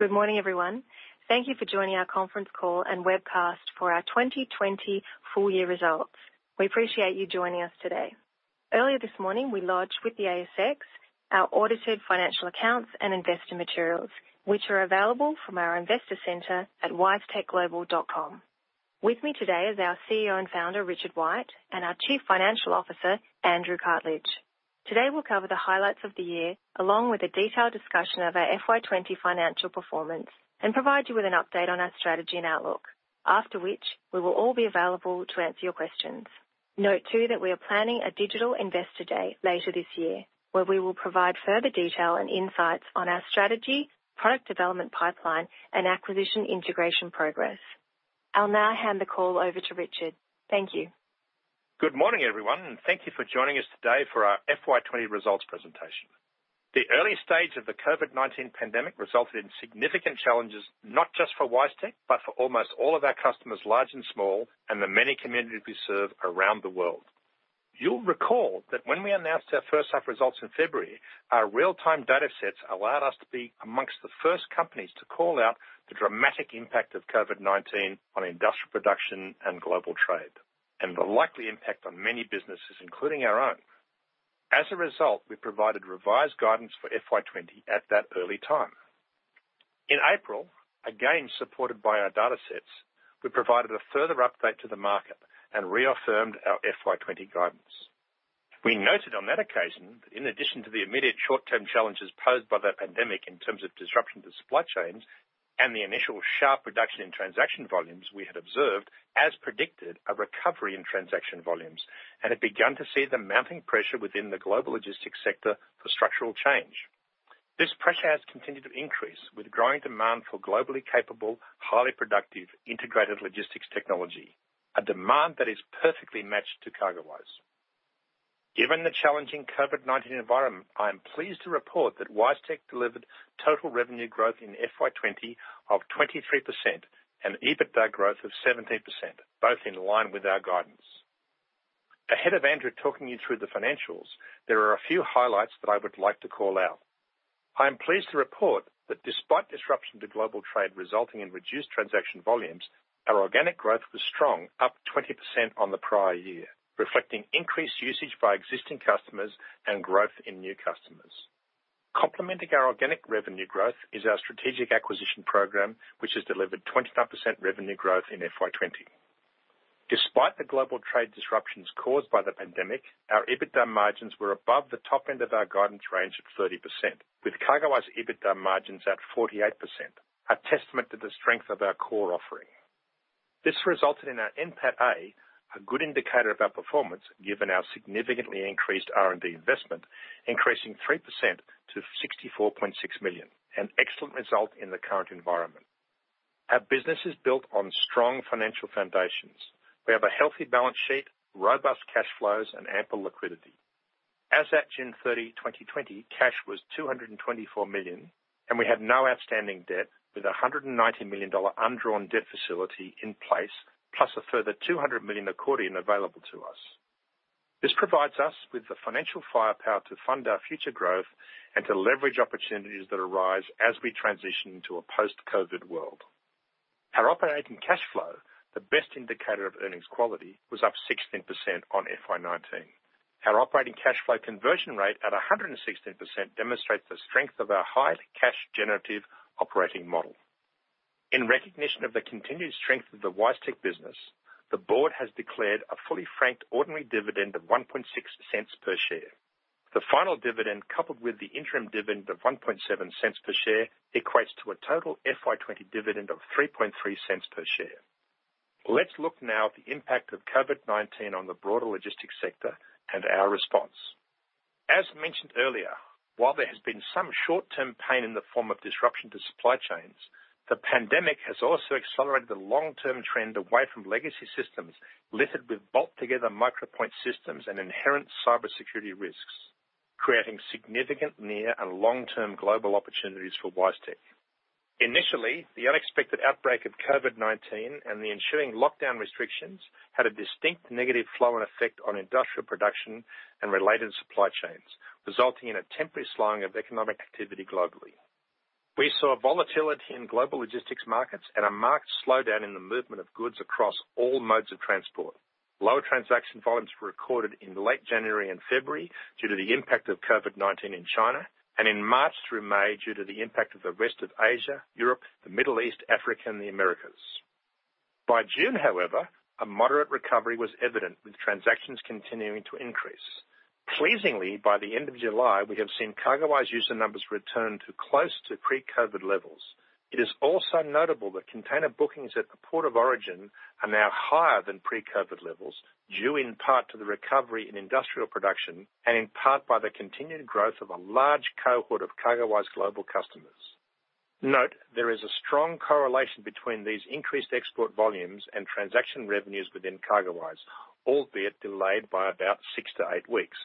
Good morning, everyone. Thank you for joining our conference call and webcast for our 2020 full-year results. We appreciate you joining us today. Earlier this morning, we lodged with the ASX our audited financial accounts and investor materials, which are available from our investor center at wisetechglobal.com. With me today is our CEO and Founder, Richard White, and our Chief Financial Officer, Andrew Cartledge. Today, we'll cover the highlights of the year, along with a detailed discussion of our FY20 financial performance, and provide you with an update on our strategy and outlook, after which we will all be available to answer your questions. Note too that we are planning a digital investor day later this year, where we will provide further detail and insights on our strategy, product development pipeline, and acquisition integration progress. I'll now hand the call over to Richard. Thank you. Good morning, everyone, and thank you for joining us today for our FY20 results presentation. The early stage of the COVID-19 pandemic resulted in significant challenges not just for WiseTech, but for almost all of our customers, large and small, and the many communities we serve around the world. You'll recall that when we announced our first-half results in February, our real-time data sets allowed us to be among the first companies to call out the dramatic impact of COVID-19 on industrial production and global trade, and the likely impact on many businesses, including our own. As a result, we provided revised guidance for FY20 at that early time. In April, again supported by our data sets, we provided a further update to the market and reaffirmed our FY20 guidance. We noted on that occasion that in addition to the immediate short-term challenges posed by the pandemic in terms of disruption to supply chains and the initial sharp reduction in transaction volumes, we had observed, as predicted, a recovery in transaction volumes and had begun to see the mounting pressure within the global logistics sector for structural change. This pressure has continued to increase with growing demand for globally capable, highly productive, integrated logistics technology, a demand that is perfectly matched to CargoWise. Given the challenging COVID-19 environment, I am pleased to report that WiseTech delivered total revenue growth in FY20 of 23% and EBITDA growth of 17%, both in line with our guidance. Ahead of Andrew talking you through the financials, there are a few highlights that I would like to call out. I am pleased to report that despite disruption to global trade resulting in reduced transaction volumes, our organic growth was strong, up 20% on the prior year, reflecting increased usage by existing customers and growth in new customers. Complementing our organic revenue growth is our strategic acquisition program, which has delivered 25% revenue growth in FY 2020. Despite the global trade disruptions caused by the pandemic, our EBITDA margins were above the top end of our guidance range of 30%, with CargoWise EBITDA margins at 48%, a testament to the strength of our core offering. This resulted in our NPATA, a good indicator of our performance given our significantly increased R&D investment, increasing 3% to 64.6 million, an excellent result in the current environment. Our business is built on strong financial foundations. We have a healthy balance sheet, robust cash flows, and ample liquidity. As at June 30, 2020, cash was 224 million, and we had no outstanding debt, with a 190 million dollar undrawn debt facility in place, plus a further 200 million accordion available to us. This provides us with the financial firepower to fund our future growth and to leverage opportunities that arise as we transition into a post-COVID world. Our operating cash flow, the best indicator of earnings quality, was up 16% on FY19. Our operating cash flow conversion rate at 116% demonstrates the strength of our high-cash generative operating model. In recognition of the continued strength of the WiseTech business, the board has declared a fully franked ordinary dividend of 0.016 per share. The final dividend, coupled with the interim dividend of 0.017 per share, equates to a total FY20 dividend of 0.033 per share. Let's look now at the impact of COVID-19 on the broader logistics sector and our response. As mentioned earlier, while there has been some short-term pain in the form of disruption to supply chains, the pandemic has also accelerated the long-term trend away from legacy systems littered with bolt-together micro-point systems and inherent cybersecurity risks, creating significant near and long-term global opportunities for WiseTech. Initially, the unexpected outbreak of COVID-19 and the ensuing lockdown restrictions had a distinct negative flow-on effect on industrial production and related supply chains, resulting in a temporary slowing of economic activity globally. We saw volatility in global logistics markets and a marked slowdown in the movement of goods across all modes of transport. Lower transaction volumes were recorded in late January and February due to the impact of COVID-19 in China, and in March through May due to the impact of the rest of Asia, Europe, the Middle East, Africa, and the Americas. By June, however, a moderate recovery was evident, with transactions continuing to increase. Pleasingly, by the end of July, we have seen CargoWise user numbers return to close to pre-COVID levels. It is also notable that container bookings at the port of origin are now higher than pre-COVID levels, due in part to the recovery in industrial production and in part by the continued growth of a large cohort of CargoWise Global customers. Note, there is a strong correlation between these increased export volumes and transaction revenues within CargoWise, albeit delayed by about six to eight weeks.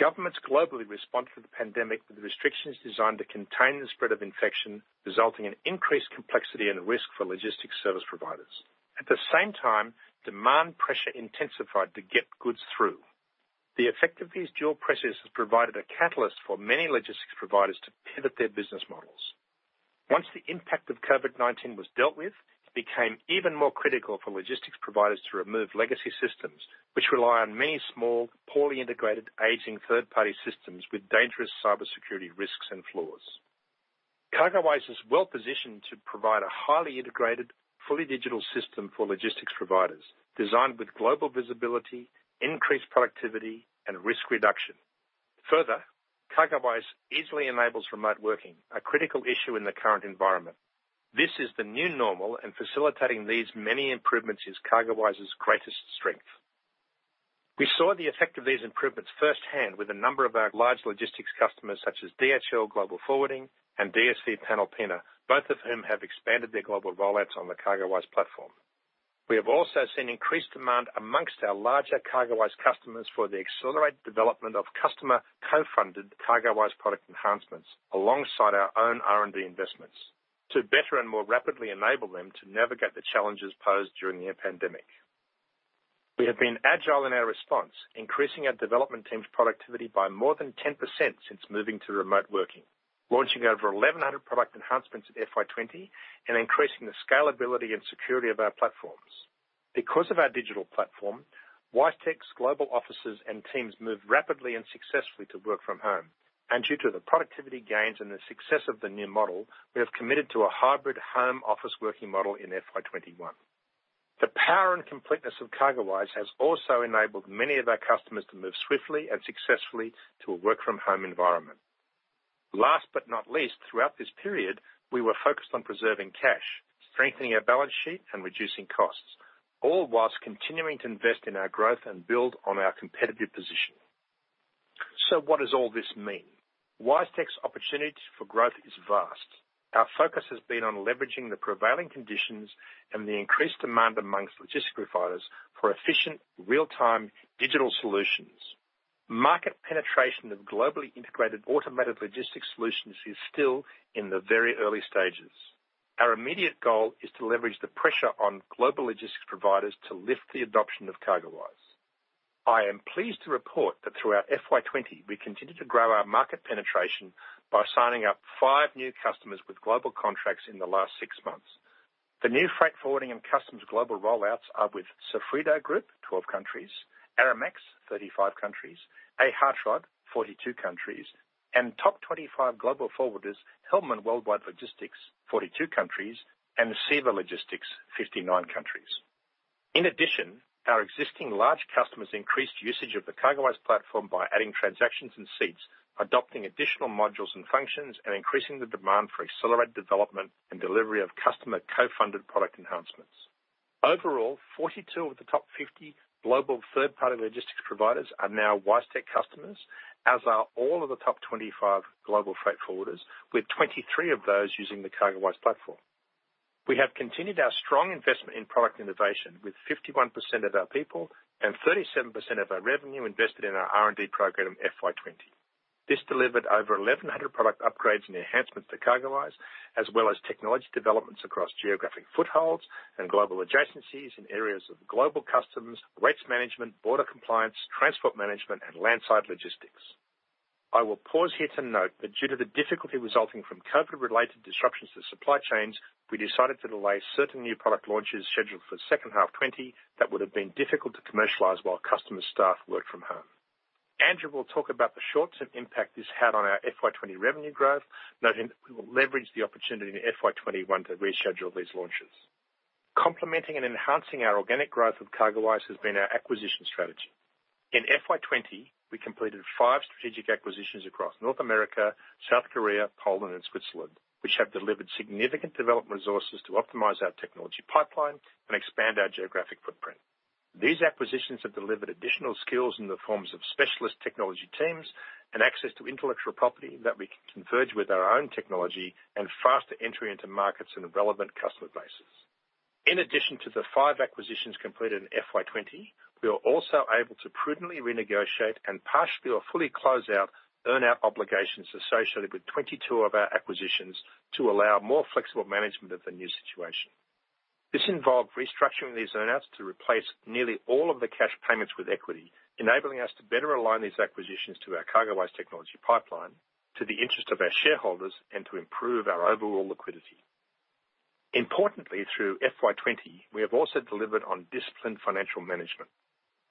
Governments globally responded to the pandemic with restrictions designed to contain the spread of infection, resulting in increased complexity and risk for logistics service providers. At the same time, demand pressure intensified to get goods through. The effect of these dual pressures has provided a catalyst for many logistics providers to pivot their business models. Once the impact of COVID-19 was dealt with, it became even more critical for logistics providers to remove legacy systems, which rely on many small, poorly integrated, aging third-party systems with dangerous cybersecurity risks and flaws. CargoWise is well positioned to provide a highly integrated, fully digital system for logistics providers, designed with global visibility, increased productivity, and risk reduction. Further, CargoWise easily enables remote working, a critical issue in the current environment. This is the new normal, and facilitating these many improvements is CargoWise's greatest strength. We saw the effect of these improvements firsthand with a number of our large logistics customers, such as DHL Global Forwarding and DSV Panalpina, both of whom have expanded their global rollouts on the CargoWise platform. We have also seen increased demand among our larger CargoWise customers for the accelerated development of customer co-funded CargoWise product enhancements alongside our own R&D investments, to better and more rapidly enable them to navigate the challenges posed during the pandemic. We have been agile in our response, increasing our development team's productivity by more than 10% since moving to remote working, launching over 1,100 product enhancements at FY20, and increasing the scalability and security of our platforms. Because of our digital platform, WiseTech's global offices and teams move rapidly and successfully to work from home, and due to the productivity gains and the success of the new model, we have committed to a hybrid home-office working model in FY21. The power and completeness of CargoWise has also enabled many of our customers to move swiftly and successfully to a work-from-home environment. Last but not least, throughout this period, we were focused on preserving cash, strengthening our balance sheet, and reducing costs, all whilst continuing to invest in our growth and build on our competitive position. So what does all this mean? WiseTech's opportunity for growth is vast. Our focus has been on leveraging the prevailing conditions and the increased demand amongst logistics providers for efficient, real-time digital solutions. Market penetration of globally integrated automated logistics solutions is still in the very early stages. Our immediate goal is to leverage the pressure on global logistics providers to lift the adoption of CargoWise. I am pleased to report that throughout FY20, we continue to grow our market penetration by signing up five new customers with global contracts in the last six months. The new freight forwarding and customs global rollouts are with Seafrigo Group, 12 countries, Aramex, 35 countries, a. hartrodt, 42 countries, and Top 25 Global Forwarders, Hellmann Worldwide Logistics, 42 countries, and CEVA Logistics, 59 countries. In addition, our existing large customers increased usage of the CargoWise platform by adding transactions and seats, adopting additional modules and functions, and increasing the demand for accelerated development and delivery of customer co-funded product enhancements. Overall, 42 of the top 50 global third-party logistics providers are now WiseTech customers, as are all of the top 25 global freight forwarders, with 23 of those using the CargoWise platform. We have continued our strong investment in product innovation, with 51% of our people and 37% of our revenue invested in our R&D program FY20. This delivered over 1,100 product upgrades and enhancements to CargoWise, as well as technology developments across geographic footholds and global adjacencies in areas of global customs, rates management, border compliance, transport management, and landside logistics. I will pause here to note that due to the difficulty resulting from COVID-related disruptions to supply chains, we decided to delay certain new product launches scheduled for the second half of 2020 that would have been difficult to commercialize while customer staff worked from home. Andrew will talk about the short-term impact this had on our FY20 revenue growth, noting that we will leverage the opportunity in FY21 to reschedule these launches. Complementing and enhancing our organic growth of CargoWise has been our acquisition strategy. In FY20, we completed five strategic acquisitions across North America, South Korea, Poland, and Switzerland, which have delivered significant development resources to optimize our technology pipeline and expand our geographic footprint. These acquisitions have delivered additional skills in the forms of specialist technology teams and access to intellectual property that we can converge with our own technology and faster entry into markets and relevant customer bases. In addition to the five acquisitions completed in FY20, we were also able to prudently renegotiate and partially or fully close out earn-out obligations associated with 22 of our acquisitions to allow more flexible management of the new situation. This involved restructuring these earn-outs to replace nearly all of the cash payments with equity, enabling us to better align these acquisitions to our CargoWise technology pipeline, to the interest of our shareholders, and to improve our overall liquidity. Importantly, through FY20, we have also delivered on disciplined financial management.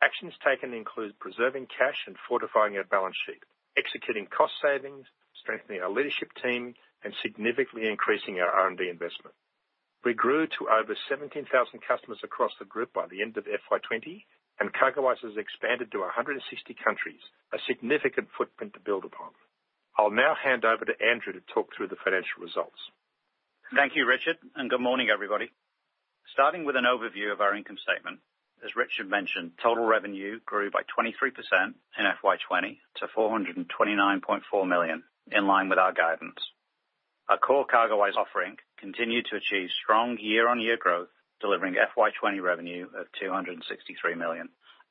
Actions taken include preserving cash and fortifying our balance sheet, executing cost savings, strengthening our leadership team, and significantly increasing our R&D investment. We grew to over 17,000 customers across the group by the end of FY20, and CargoWise has expanded to 160 countries, a significant footprint to build upon. I'll now hand over to Andrew to talk through the financial results. Thank you, Richard, and good morning, everybody. Starting with an overview of our income statement, as Richard mentioned, total revenue grew by 23% in FY20 to 429.4 million, in line with our guidance. Our core CargoWise offering continued to achieve strong year-on-year growth, delivering FY20 revenue of 263 million,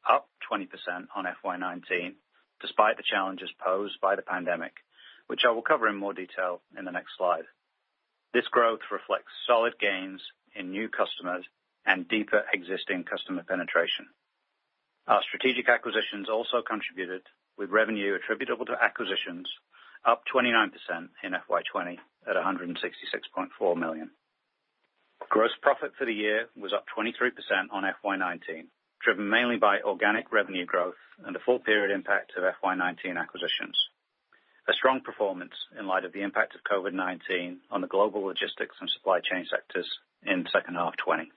up 20% on FY19, despite the challenges posed by the pandemic, which I will cover in more detail in the next slide. This growth reflects solid gains in new customers and deeper existing customer penetration. Our strategic acquisitions also contributed, with revenue attributable to acquisitions, up 29% in FY20 at 166.4 million. Gross profit for the year was up 23% on FY19, driven mainly by organic revenue growth and the full period impact of FY19 acquisitions. A strong performance in light of the impact of COVID-19 on the global logistics and supply chain sectors in the second half of 2020.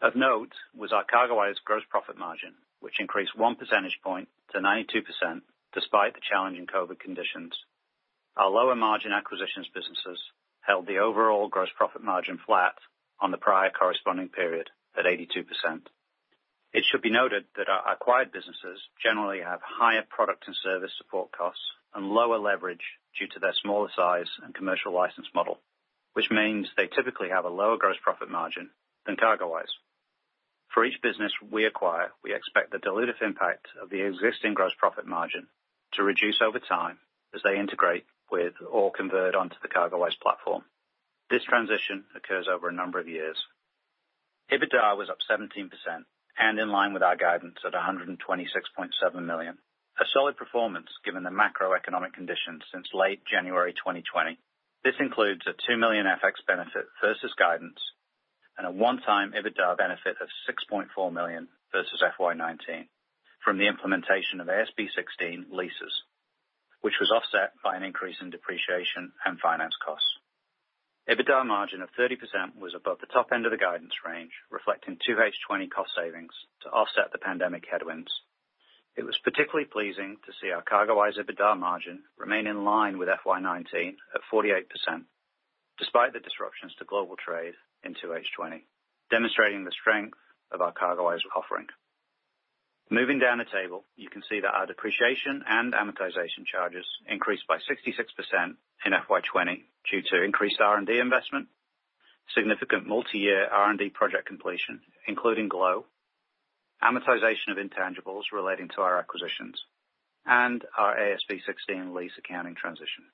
Of note was our CargoWise gross profit margin, which increased one percentage point to 92% despite the challenging COVID conditions. Our lower margin acquisitions businesses held the overall gross profit margin flat on the prior corresponding period at 82%. It should be noted that our acquired businesses generally have higher product and service support costs and lower leverage due to their smaller size and commercial license model, which means they typically have a lower gross profit margin than CargoWise. For each business we acquire, we expect the dilutive impact of the existing gross profit margin to reduce over time as they integrate with or convert onto the CargoWise platform. This transition occurs over a number of years. EBITDA was up 17% and in line with our guidance at 126.7 million, a solid performance given the macroeconomic conditions since late January 2020. This includes a 2 million FX benefit versus guidance and a one-time EBITDA benefit of 6.4 million versus FY19 from the implementation of AASB 16 leases, which was offset by an increase in depreciation and finance costs. EBITDA margin of 30% was above the top end of the guidance range, reflecting 2H20 cost savings to offset the pandemic headwinds. It was particularly pleasing to see our CargoWise EBITDA margin remain in line with FY19 at 48%, despite the disruptions to global trade in 2H20, demonstrating the strength of our CargoWise offering. Moving down the table, you can see that our depreciation and amortization charges increased by 66% in FY20 due to increased R&D investment, significant multi-year R&D project completion, including Glow, amortization of intangibles relating to our acquisitions, and our AASB 16 lease accounting transition.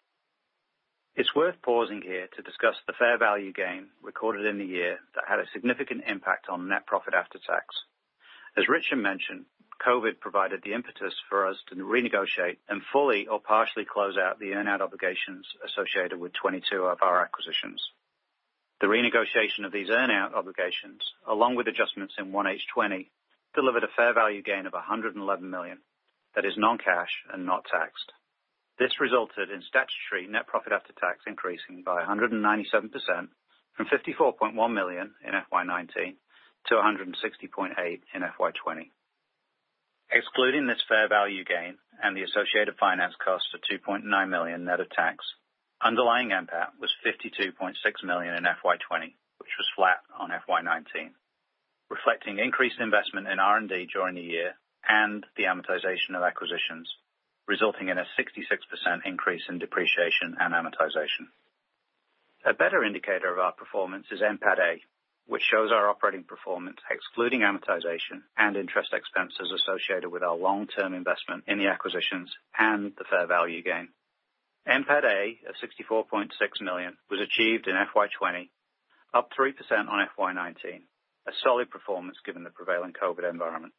It's worth pausing here to discuss the fair value gain recorded in the year that had a significant impact on net profit after tax. As Richard mentioned, COVID provided the impetus for us to renegotiate and fully or partially close out the earn-out obligations associated with 22 of our acquisitions. The renegotiation of these earn-out obligations, along with adjustments in 1H20, delivered a fair value gain of 111 million that is non-cash and not taxed. This resulted in statutory net profit after tax increasing by 197% from 54.1 million in FY19 to 160.8 million in FY20. Excluding this fair value gain and the associated finance costs of 2.9 million net of tax, underlying NPAT was 52.6 million in FY20, which was flat on FY19, reflecting increased investment in R&D during the year and the amortization of acquisitions, resulting in a 66% increase in depreciation and amortization. A better indicator of our performance is NPATA, which shows our operating performance excluding amortization and interest expenses associated with our long-term investment in the acquisitions and the fair value gain. NPATA of 64.6 million was achieved in FY20, up 3% on FY19, a solid performance given the prevailing COVID-19 environment.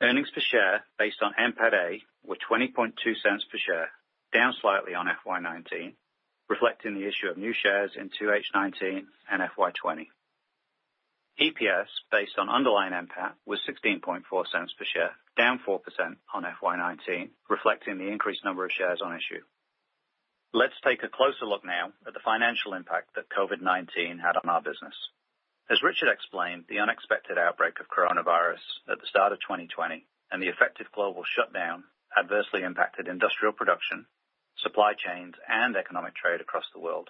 Earnings per share based on NPATA were 0.202 per share, down slightly on FY19, reflecting the issue of new shares in 2H19 and FY20. EPS based on underlying NPAT was 0.164 per share, down 4% on FY19, reflecting the increased number of shares on issue. Let's take a closer look now at the financial impact that COVID-19 had on our business. As Richard explained, the unexpected outbreak of coronavirus at the start of 2020 and the effective global shutdown adversely impacted industrial production, supply chains, and economic trade across the world.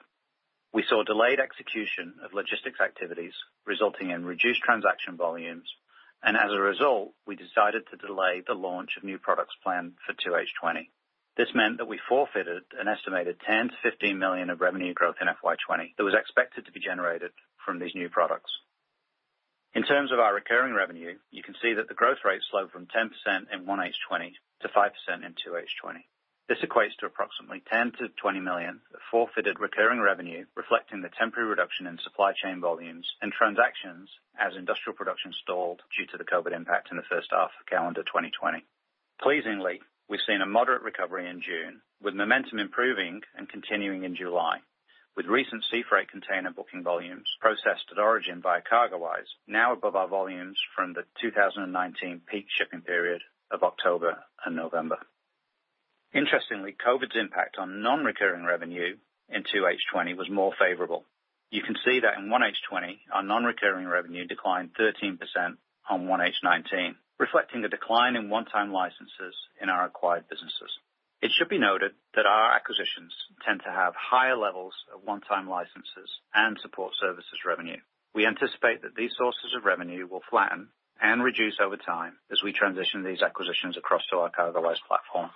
We saw delayed execution of logistics activities, resulting in reduced transaction volumes, and as a result, we decided to delay the launch of new products planned for 2H20. This meant that we forfeited an estimated 10-15 million of revenue growth in FY 2020 that was expected to be generated from these new products. In terms of our recurring revenue, you can see that the growth rate slowed from 10% in 1H20 to 5% in 2H20. This equates to approximately 10-20 million of forfeited recurring revenue, reflecting the temporary reduction in supply chain volumes and transactions as industrial production stalled due to the COVID impact in the first half of calendar 2020. Pleasingly, we've seen a moderate recovery in June, with momentum improving and continuing in July, with recent sea freight container booking volumes processed at origin via CargoWise now above our volumes from the 2019 peak shipping period of October and November. Interestingly, COVID's impact on non-recurring revenue in 2H20 was more favorable. You can see that in 1H20, our non-recurring revenue declined 13% on 1H19, reflecting a decline in one-time licenses in our acquired businesses. It should be noted that our acquisitions tend to have higher levels of one-time licenses and support services revenue. We anticipate that these sources of revenue will flatten and reduce over time as we transition these acquisitions across to our CargoWise platform.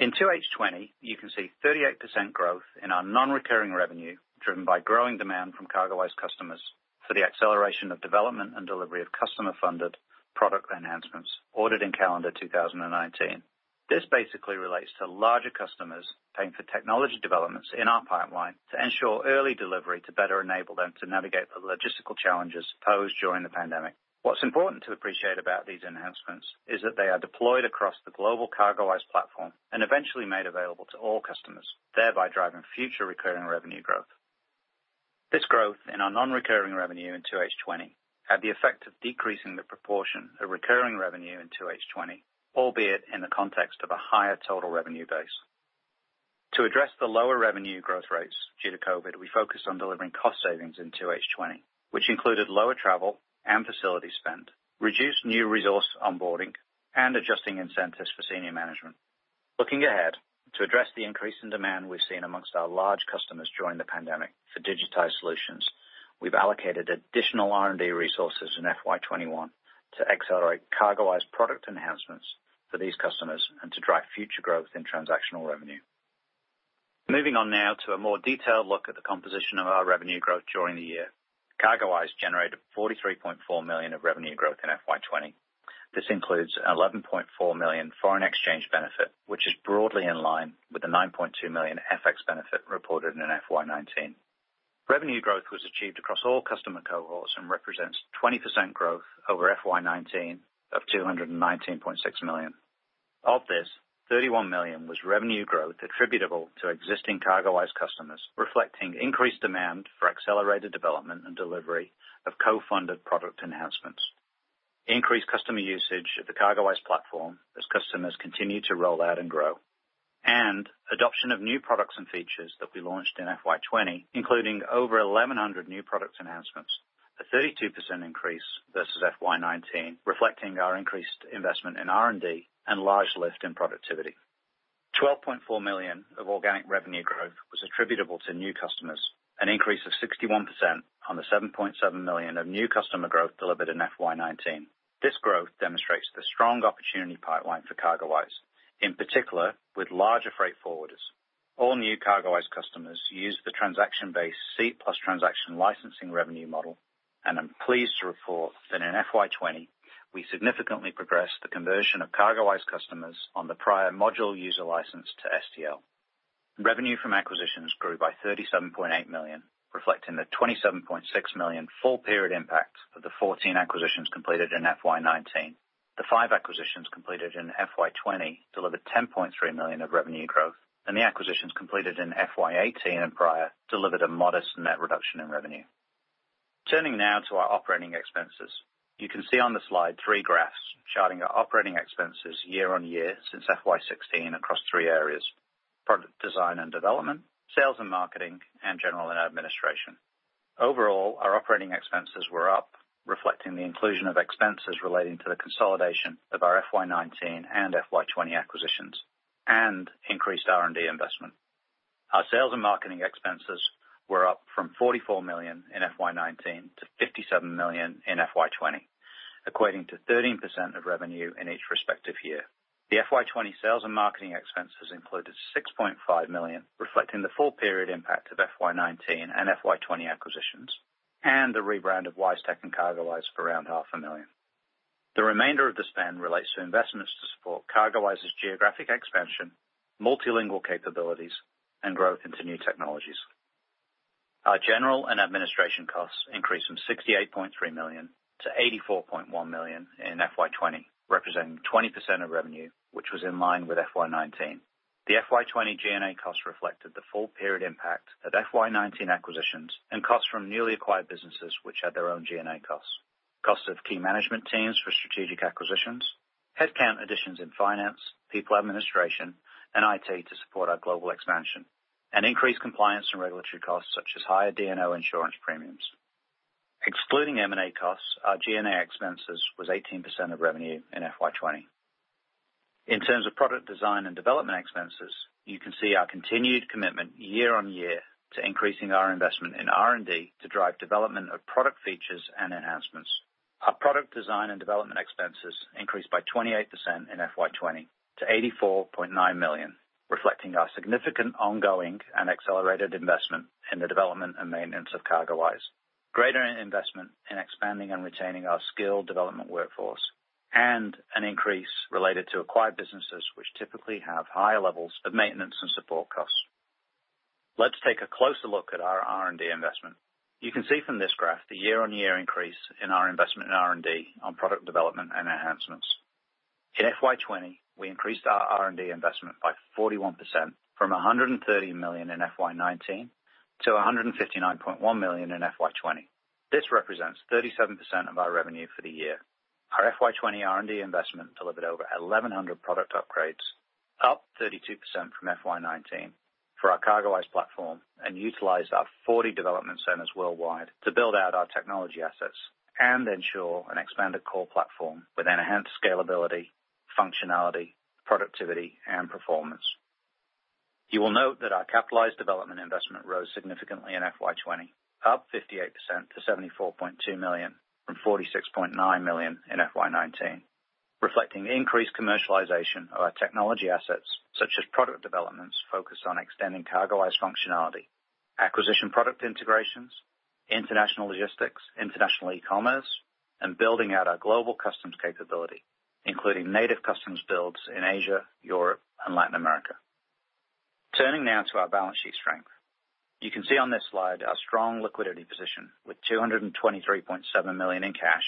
In 2H20, you can see 38% growth in our non-recurring revenue driven by growing demand from CargoWise customers for the acceleration of development and delivery of customer-funded product enhancements ordered in calendar 2019. This basically relates to larger customers paying for technology developments in our pipeline to ensure early delivery to better enable them to navigate the logistical challenges posed during the pandemic. What's important to appreciate about these enhancements is that they are deployed across the global CargoWise platform and eventually made available to all customers, thereby driving future recurring revenue growth. This growth in our non-recurring revenue in 2H20 had the effect of decreasing the proportion of recurring revenue in 2H20, albeit in the context of a higher total revenue base. To address the lower revenue growth rates due to COVID, we focused on delivering cost savings in 2H20, which included lower travel and facility spend, reduced new resource onboarding, and adjusting incentives for senior management. Looking ahead to address the increase in demand we've seen among our large customers during the pandemic for digitized solutions, we've allocated additional R&D resources in FY21 to accelerate CargoWise product enhancements for these customers and to drive future growth in transactional revenue. Moving on now to a more detailed look at the composition of our revenue growth during the year, CargoWise generated 43.4 million of revenue growth in FY20. This includes 11.4 million foreign exchange benefit, which is broadly in line with the 9.2 million FX benefit reported in FY19. Revenue growth was achieved across all customer cohorts and represents 20% growth over FY19 of 219.6 million. Of this, 31 million was revenue growth attributable to existing CargoWise customers, reflecting increased demand for accelerated development and delivery of co-funded product enhancements. Increased customer usage of the CargoWise platform as customers continue to roll out and grow, and adoption of new products and features that we launched in FY20, including over 1,100 new product enhancements, a 32% increase versus FY19, reflecting our increased investment in R&D and large lift in productivity. 12.4 million of organic revenue growth was attributable to new customers, an increase of 61% on the 7.7 million of new customer growth delivered in FY19. This growth demonstrates the strong opportunity pipeline for CargoWise, in particular with larger freight forwarders. All new CargoWise customers use the transaction-based seat plus transaction licensing revenue model, and I'm pleased to report that in FY20, we significantly progressed the conversion of CargoWise customers on the prior module user license to STL. Revenue from acquisitions grew by 37.8 million, reflecting the 27.6 million full period impact of the 14 acquisitions completed in FY19. The five acquisitions completed in FY20 delivered 10.3 million of revenue growth, and the acquisitions completed in FY18 and prior delivered a modest net reduction in revenue. Turning now to our operating expenses, you can see on the slide three graphs charting our operating expenses year-on-year since FY16 across three areas: product design and development, sales and marketing, and general administration. Overall, our operating expenses were up, reflecting the inclusion of expenses relating to the consolidation of our FY19 and FY20 acquisitions and increased R&D investment. Our sales and marketing expenses were up from 44 million in FY19 to 57 million in FY20, equating to 13% of revenue in each respective year. The FY20 sales and marketing expenses included 6.5 million, reflecting the full period impact of FY19 and FY20 acquisitions and the rebrand of WiseTech and CargoWise for around 500,000. The remainder of the spend relates to investments to support CargoWise's geographic expansion, multilingual capabilities, and growth into new technologies. Our general and administration costs increased from 68.3 million to 84.1 million in FY20, representing 20% of revenue, which was in line with FY19. The FY20 G&A costs reflected the full period impact of FY19 acquisitions and costs from newly acquired businesses, which had their own G&A costs, costs of key management teams for strategic acquisitions, headcount additions in finance, people administration, and IT to support our global expansion, and increased compliance and regulatory costs such as higher D&O insurance premiums. Excluding M&A costs, our G&A expenses were 18% of revenue in FY20. In terms of product design and development expenses, you can see our continued commitment year-on-year to increasing our investment in R&D to drive development of product features and enhancements. Our product design and development expenses increased by 28% in FY20 to 84.9 million, reflecting our significant ongoing and accelerated investment in the development and maintenance of CargoWise, greater investment in expanding and retaining our skilled development workforce, and an increase related to acquired businesses, which typically have higher levels of maintenance and support costs. Let's take a closer look at our R&D investment. You can see from this graph the year-on-year increase in our investment in R&D on product development and enhancements. In FY20, we increased our R&D investment by 41% from 130 million in FY19 to 159.1 million in FY20. This represents 37% of our revenue for the year. Our FY20 R&D investment delivered over 1,100 product upgrades, up 32% from FY19, for our CargoWise platform and utilized our 40 development centers worldwide to build out our technology assets and ensure an expanded core platform with enhanced scalability, functionality, productivity, and performance. You will note that our capitalized development investment rose significantly in FY20, up 58% to 74.2 million from 46.9 million in FY19, reflecting increased commercialization of our technology assets, such as product developments focused on extending CargoWise functionality, acquisition product integrations, international logistics, international e-commerce, and building out our global customs capability, including native customs builds in Asia, Europe, and Latin America. Turning now to our balance sheet strength. You can see on this slide our strong liquidity position with 223.7 million in cash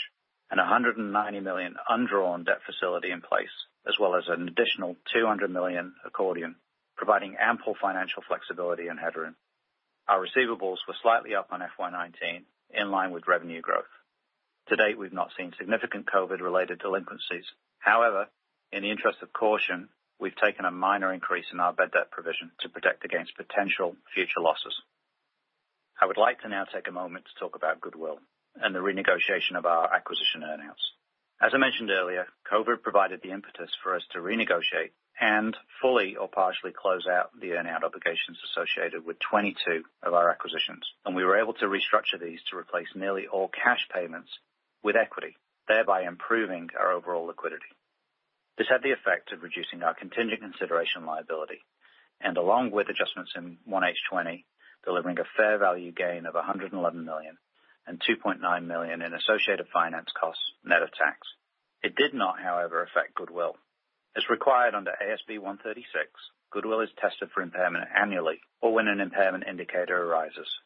and 190 million undrawn debt facility in place, as well as an additional 200 million accordion, providing ample financial flexibility and headroom. Our receivables were slightly up on FY 2019, in line with revenue growth. To date, we've not seen significant COVID-related delinquencies. However, in the interest of caution, we've taken a minor increase in our bad debt provision to protect against potential future losses. I would like to now take a moment to talk about Goodwill and the renegotiation of our acquisition earn-outs. As I mentioned earlier, COVID provided the impetus for us to renegotiate and fully or partially close out the earn-out obligations associated with 22 of our acquisitions, and we were able to restructure these to replace nearly all cash payments with equity, thereby improving our overall liquidity. This had the effect of reducing our contingent consideration liability and, along with adjustments in 1H20, delivering a fair value gain of 111 million and 2.9 million in associated finance costs net of tax. It did not, however, affect Goodwill. As required under AASB 136, Goodwill is tested for impairment annually or when an impairment indicator arises.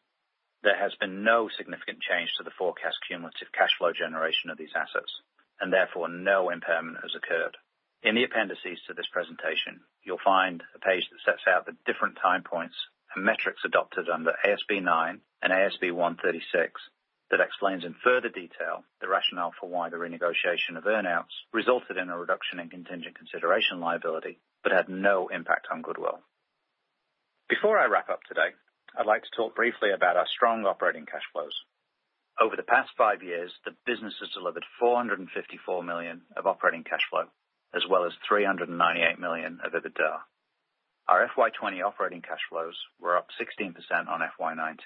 There has been no significant change to the forecast cumulative cash flow generation of these assets, and therefore no impairment has occurred. In the appendices to this presentation, you'll find a page that sets out the different time points and metrics adopted under AASB 9 and AASB 136 that explains in further detail the rationale for why the renegotiation of earnings resulted in a reduction in contingent consideration liability but had no impact on Goodwill. Before I wrap up today, I'd like to talk briefly about our strong operating cash flows. Over the past five years, the business has delivered 454 million of operating cash flow, as well as 398 million of EBITDA. Our FY20 operating cash flows were up 16% on FY19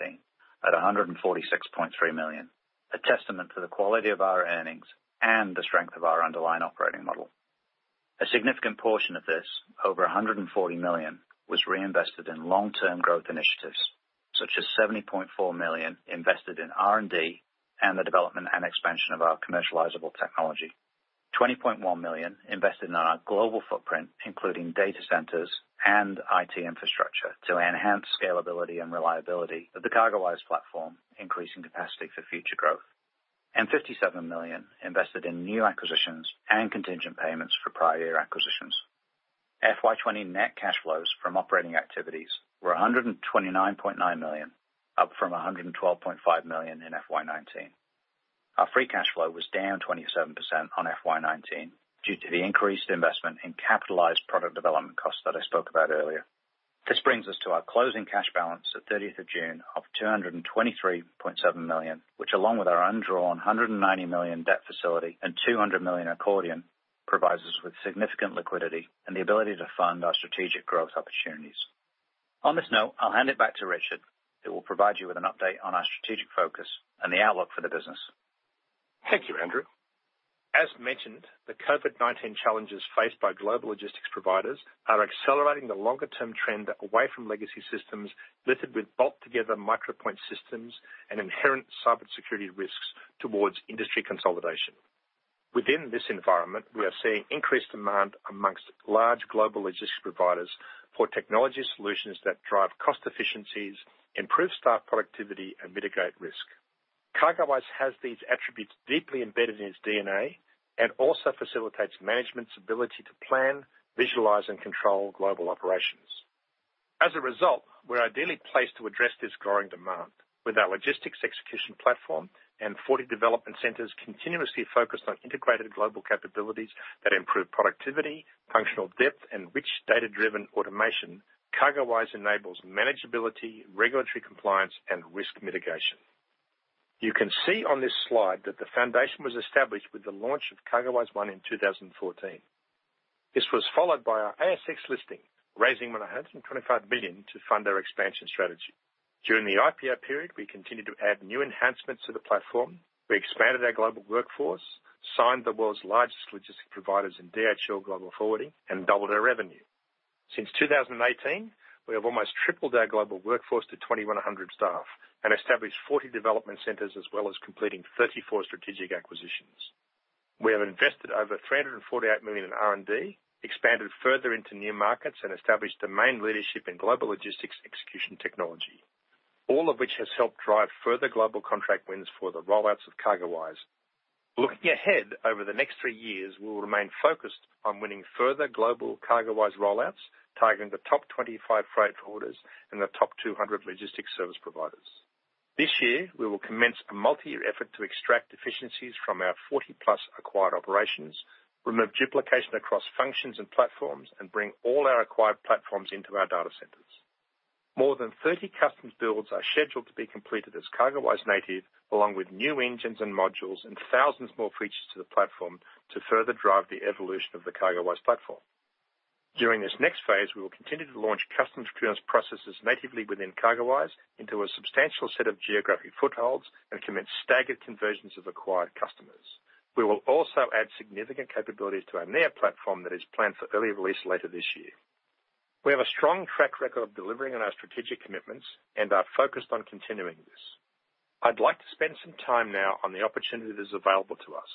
at 146.3 million, a testament to the quality of our earnings and the strength of our underlying operating model. A significant portion of this, over 140 million, was reinvested in long-term growth initiatives, such as 70.4 million invested in R&D and the development and expansion of our commercializable technology, 20.1 million invested in our global footprint, including data centers and IT infrastructure, to enhance scalability and reliability of the CargoWise platform, increasing capacity for future growth, and 57 million invested in new acquisitions and contingent payments for prior year acquisitions. FY20 net cash flows from operating activities were 129.9 million, up from 112.5 million in FY19. Our free cash flow was down 27% on FY19 due to the increased investment in capitalized product development costs that I spoke about earlier. This brings us to our closing cash balance at 30 June of 223.7 million, which, along with our undrawn 190 million debt facility and 200 million accordion, provides us with significant liquidity and the ability to fund our strategic growth opportunities. On this note, I'll hand it back to Richard, who will provide you with an update on our strategic focus and the outlook for the business. Thank you, Andrew. As mentioned, the COVID-19 challenges faced by global logistics providers are accelerating the longer-term trend away from legacy systems littered with bolt-together micro-point systems and inherent cybersecurity risks towards industry consolidation. Within this environment, we are seeing increased demand among large global logistics providers for technology solutions that drive cost efficiencies, improve staff productivity, and mitigate risk. CargoWise has these attributes deeply embedded in its DNA and also facilitates management's ability to plan, visualize, and control global operations. As a result, we're ideally placed to address this growing demand with our logistics execution platform and 40 development centers continuously focused on integrated global capabilities that improve productivity, functional depth, and rich data-driven automation. CargoWise enables manageability, regulatory compliance, and risk mitigation. You can see on this slide that the foundation was established with the launch of CargoWise One in 2014. This was followed by our ASX listing, raising 125 million to fund our expansion strategy. During the IPO period, we continued to add new enhancements to the platform. We expanded our global workforce, signed the world's largest logistics providers in DHL Global Forwarding, and doubled our revenue. Since 2018, we have almost tripled our global workforce to 2,100 staff and established 40 development centers as well as completing 34 strategic acquisitions. We have invested over 348 million in R&D, expanded further into new markets, and established domain leadership in global logistics execution technology, all of which has helped drive further global contract wins for the rollouts of CargoWise. Looking ahead over the next three years, we will remain focused on winning further global CargoWise rollouts, targeting the top 25 freight forwarders and the top 200 logistics service providers. This year, we will commence a multi-year effort to extract efficiencies from our 40-plus acquired operations, remove duplication across functions and platforms, and bring all our acquired platforms into our data centers. More than 30 customs builds are scheduled to be completed as CargoWise native, along with new engines and modules and thousands more features to the platform to further drive the evolution of the CargoWise platform. During this next phase, we will continue to launch customs clearance processes natively within CargoWise into a substantial set of geographic footholds and commence staggered conversions of acquired customers. We will also add significant capabilities to our Neo platform that is planned for early release later this year. We have a strong track record of delivering on our strategic commitments and are focused on continuing this. I'd like to spend some time now on the opportunity that is available to us.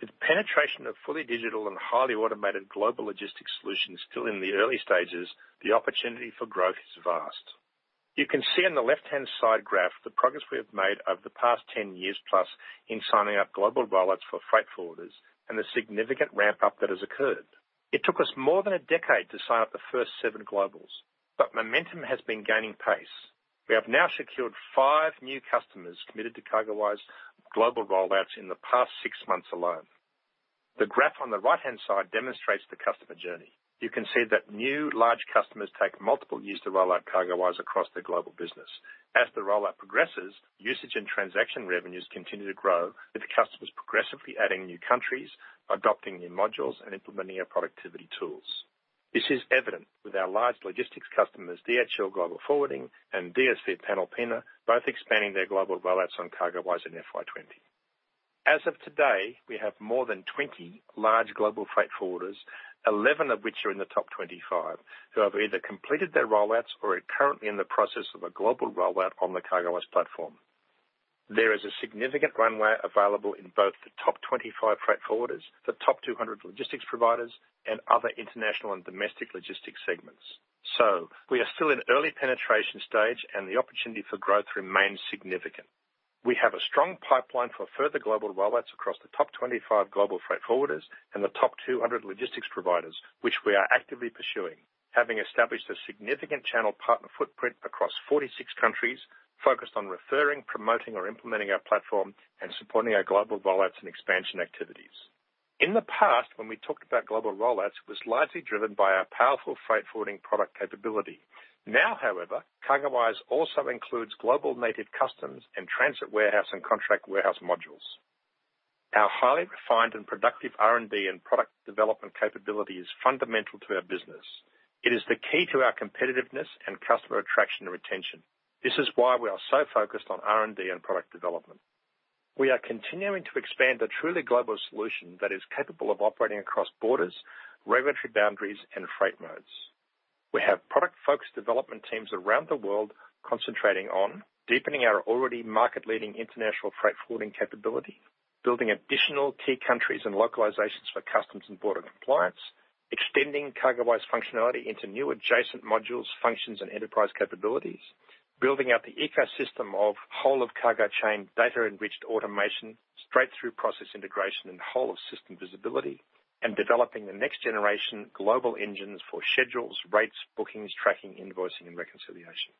With the penetration of fully digital and highly automated global logistics solutions still in the early stages, the opportunity for growth is vast. You can see on the left-hand side graph the progress we have made over the past 10 years plus in signing up global rollouts for freight forwarders and the significant ramp-up that has occurred. It took us more than a decade to sign up the first seven globals, but momentum has been gaining pace. We have now secured five new customers committed to CargoWise global rollouts in the past six months alone. The graph on the right-hand side demonstrates the customer journey. You can see that new large customers take multiple years to rollout CargoWise across the global business. As the rollout progresses, usage and transaction revenues continue to grow with customers progressively adding new countries, adopting new modules, and implementing our productivity tools. This is evident with our large logistics customers, DHL Global Forwarding and DSV Panalpina, both expanding their global rollouts on CargoWise in FY20. As of today, we have more than 20 large global freight forwarders, 11 of which are in the top 25, who have either completed their rollouts or are currently in the process of a global rollout on the CargoWise platform. There is a significant runway available in both the top 25 freight forwarders, the top 200 logistics providers, and other international and domestic logistics segments. So we are still in early penetration stage, and the opportunity for growth remains significant. We have a strong pipeline for further global rollouts across the top 25 global freight forwarders and the top 200 logistics providers, which we are actively pursuing, having established a significant channel partner footprint across 46 countries focused on referring, promoting, or implementing our platform and supporting our global rollouts and expansion activities. In the past, when we talked about global rollouts, it was largely driven by our powerful freight forwarding product capability. Now, however, CargoWise also includes global native customs and transit warehouse and contract warehouse modules. Our highly refined and productive R&D and product development capability is fundamental to our business. It is the key to our competitiveness and customer attraction and retention. This is why we are so focused on R&D and product development. We are continuing to expand a truly global solution that is capable of operating across borders, regulatory boundaries, and freight modes. We have product-focused development teams around the world concentrating on deepening our already market-leading international freight forwarding capability, building additional key countries and localizations for customs and border compliance, extending CargoWise functionality into new adjacent modules, functions, and enterprise capabilities, building out the ecosystem of whole-of-cargo chain data-enriched automation, straight-through process integration and whole-of-system visibility, and developing the next-generation global engines for schedules, rates, bookings, tracking, invoicing, and reconciliation.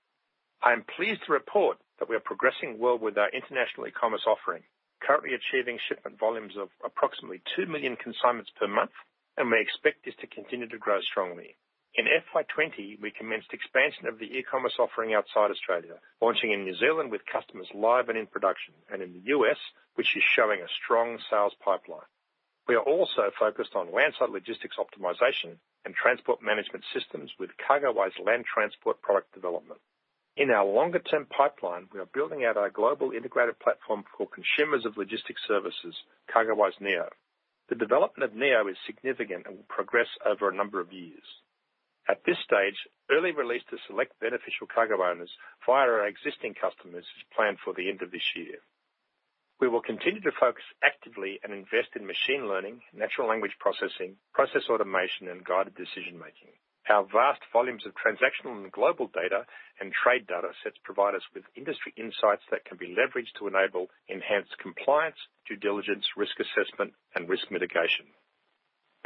I am pleased to report that we are progressing well with our international e-commerce offering, currently achieving shipment volumes of approximately two million consignments per month, and we expect this to continue to grow strongly. In FY 2020, we commenced expansion of the e-commerce offering outside Australia, launching in New Zealand with customers live and in production, and in the US, which is showing a strong sales pipeline. We are also focused on landside logistics optimization and transport management systems with CargoWise Land Transport product development. In our longer-term pipeline, we are building out our global integrated platform for consumers of logistics services, CargoWise Neo. The development of Neo is significant and will progress over a number of years. At this stage, early release to select beneficial cargo owners via our existing customers is planned for the end of this year. We will continue to focus actively and invest in machine learning, natural language processing, process automation, and guided decision-making. Our vast volumes of transactional and global data and trade data sets provide us with industry insights that can be leveraged to enable enhanced compliance, due diligence, risk assessment, and risk mitigation.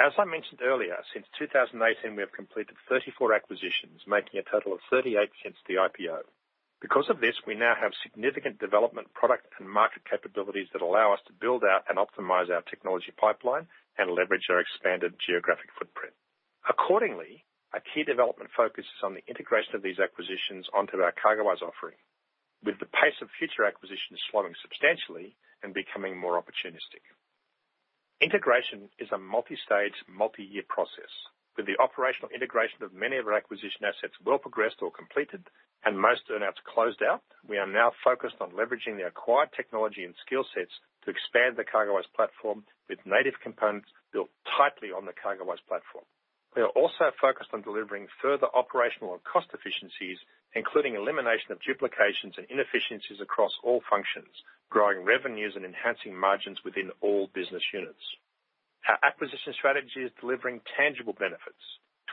As I mentioned earlier, since 2018, we have completed 34 acquisitions, making a total of 38 since the IPO. Because of this, we now have significant development product and market capabilities that allow us to build out and optimize our technology pipeline and leverage our expanded geographic footprint. Accordingly, our key development focus is on the integration of these acquisitions onto our CargoWise offering, with the pace of future acquisitions slowing substantially and becoming more opportunistic. Integration is a multi-stage, multi-year process. With the operational integration of many of our acquisition assets well progressed or completed and most earn-outs closed out, we are now focused on leveraging the acquired technology and skill sets to expand the CargoWise platform with native components built tightly on the CargoWise platform. We are also focused on delivering further operational and cost efficiencies, including elimination of duplications and inefficiencies across all functions, growing revenues and enhancing margins within all business units. Our acquisition strategy is delivering tangible benefits.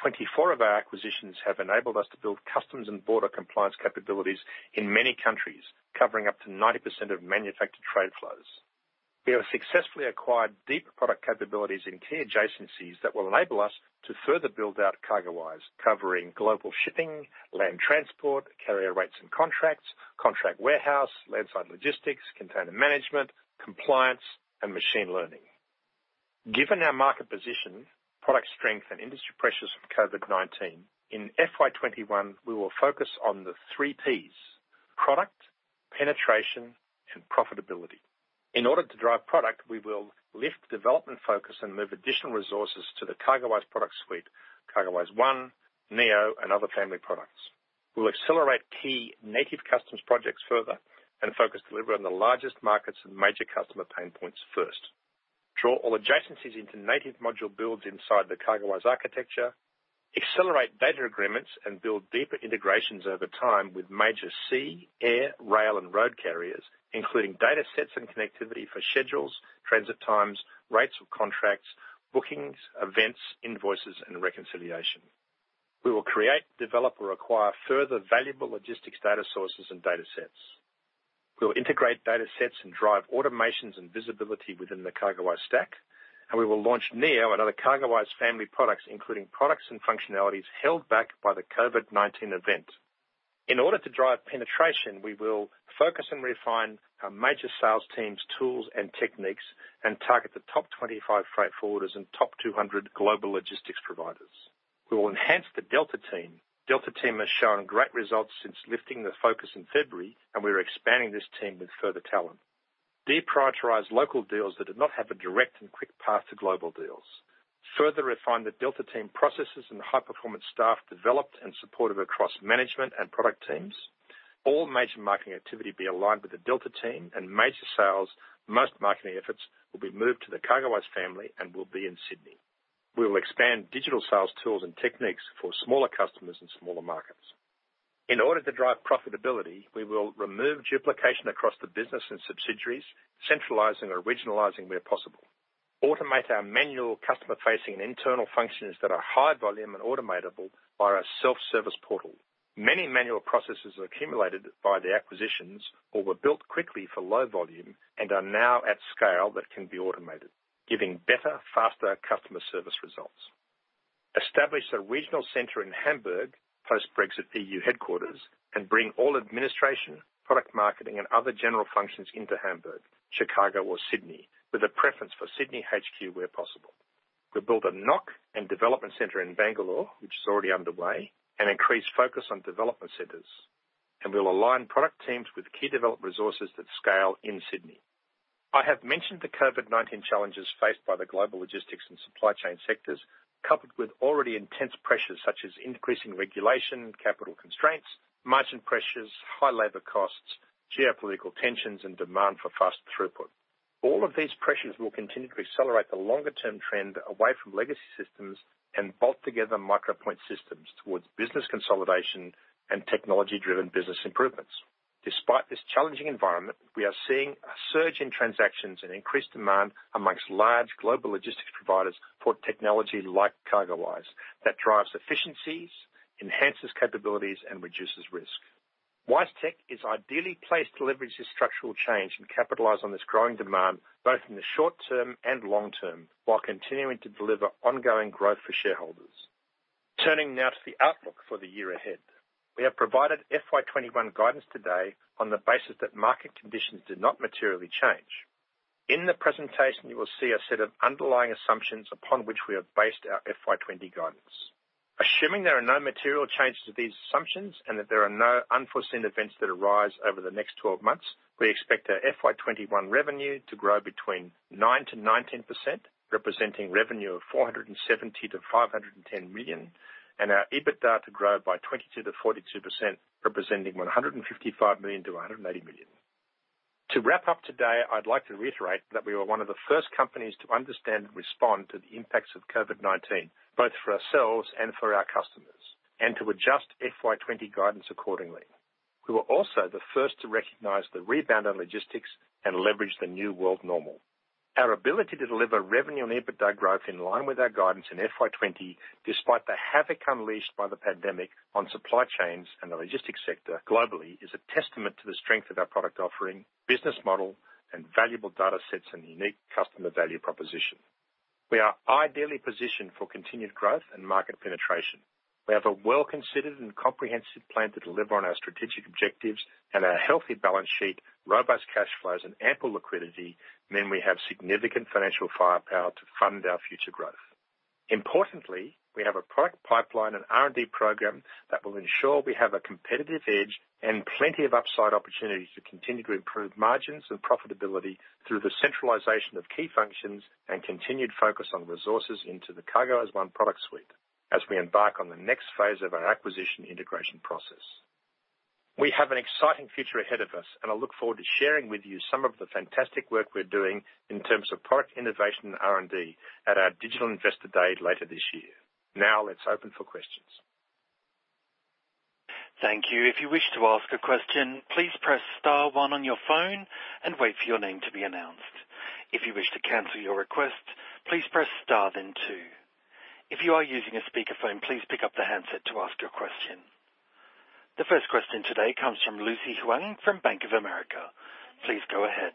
24 of our acquisitions have enabled us to build customs and border compliance capabilities in many countries, covering up to 90% of manufactured trade flows. We have successfully acquired deep product capabilities in key adjacencies that will enable us to further build out CargoWise, covering global shipping, land transport, carrier rates and contracts, contract warehouse, landside logistics, container management, compliance, and machine learning. Given our market position, product strength, and industry pressures from COVID-19, in FY21, we will focus on the three Ps: product, penetration, and profitability. In order to drive product, we will lift development focus and move additional resources to the CargoWise product suite, CargoWise One, Neo, and other family products. We'll accelerate key native customs projects further and focus delivery on the largest markets and major customer pain points first, draw all adjacencies into native module builds inside the CargoWise architecture, accelerate data agreements, and build deeper integrations over time with major sea, air, rail, and road carriers, including data sets and connectivity for schedules, transit times, rates of contracts, bookings, events, invoices, and reconciliation. We will create, develop, or acquire further valuable logistics data sources and data sets. We will integrate data sets and drive automations and visibility within the CargoWise stack, and we will launch Neo and other CargoWise family products, including products and functionalities held back by the COVID-19 event. In order to drive penetration, we will focus and refine our major sales teams, tools, and techniques, and target the top 25 freight forwarders and top 200 global logistics providers. We will enhance the Delta Team. Delta Team has shown great results since lifting the focus in February, and we are expanding this team with further talent. Deprioritize local deals that do not have a direct and quick path to global deals. Further refine the Delta Team processes and high-performance staff developed and supported across management and product teams. All major marketing activity will be aligned with the Delta Team, and major sales, most marketing efforts will be moved to the CargoWise family and will be in Sydney. We will expand digital sales tools and techniques for smaller customers and smaller markets. In order to drive profitability, we will remove duplication across the business and subsidiaries, centralizing or regionalizing where possible. Automate our manual customer-facing and internal functions that are high volume and automable via our self-service portal. Many manual processes are accumulated by the acquisitions or were built quickly for low volume and are now at scale that can be automated, giving better, faster customer service results. Establish a regional center in Hamburg, post-Brexit EU headquarters, and bring all administration, product marketing, and other general functions into Hamburg, Chicago, or Sydney, with a preference for Sydney HQ where possible. We'll build a NOC and development center in Bangalore, which is already underway, and increase focus on development centers, and we'll align product teams with key development resources that scale in Sydney. I have mentioned the COVID-19 challenges faced by the global logistics and supply chain sectors, coupled with already intense pressures such as increasing regulation, capital constraints, margin pressures, high labor costs, geopolitical tensions, and demand for fast throughput. All of these pressures will continue to accelerate the longer-term trend away from legacy systems and bolt together micro-point systems towards business consolidation and technology-driven business improvements. Despite this challenging environment, we are seeing a surge in transactions and increased demand amongst large global logistics providers for technology like CargoWise that drives efficiencies, enhances capabilities, and reduces risk. WiseTech is ideally placed to leverage this structural change and capitalize on this growing demand both in the short term and long term while continuing to deliver ongoing growth for shareholders. Turning now to the outlook for the year ahead, we have provided FY21 guidance today on the basis that market conditions do not materially change. In the presentation, you will see a set of underlying assumptions upon which we have based our FY20 guidance. Assuming there are no material changes to these assumptions and that there are no unforeseen events that arise over the next 12 months, we expect our FY21 revenue to grow between 9%-19%, representing revenue of 470 million-510 million, and our EBITDA to grow by 22%-42%, representing 155 million-180 million. To wrap up today, I'd like to reiterate that we were one of the first companies to understand and respond to the impacts of COVID-19, both for ourselves and for our customers, and to adjust FY20 guidance accordingly. We were also the first to recognize the rebound on logistics and leverage the new world normal. Our ability to deliver revenue and EBITDA growth in line with our guidance in FY20, despite the havoc unleashed by the pandemic on supply chains and the logistics sector globally, is a testament to the strength of our product offering, business model, and valuable data sets and unique customer value proposition. We are ideally positioned for continued growth and market penetration. We have a well-considered and comprehensive plan to deliver on our strategic objectives and our healthy balance sheet, robust cash flows, and ample liquidity, meaning we have significant financial firepower to fund our future growth. Importantly, we have a product pipeline and R&D program that will ensure we have a competitive edge and plenty of upside opportunities to continue to improve margins and profitability through the centralization of key functions and continued focus on resources into the CargoWise One product suite as we embark on the next phase of our acquisition integration process. We have an exciting future ahead of us, and I look forward to sharing with you some of the fantastic work we're doing in terms of product innovation and R&D at our Digital Investor Day later this year. Now, let's open for questions. Thank you. If you wish to ask a question, please press star one on your phone and wait for your name to be announced. If you wish to cancel your request, please press star then two. If you are using a speakerphone, please pick up the handset to ask your question. The first question today comes from Lucy Huang from Bank of America. Please go ahead.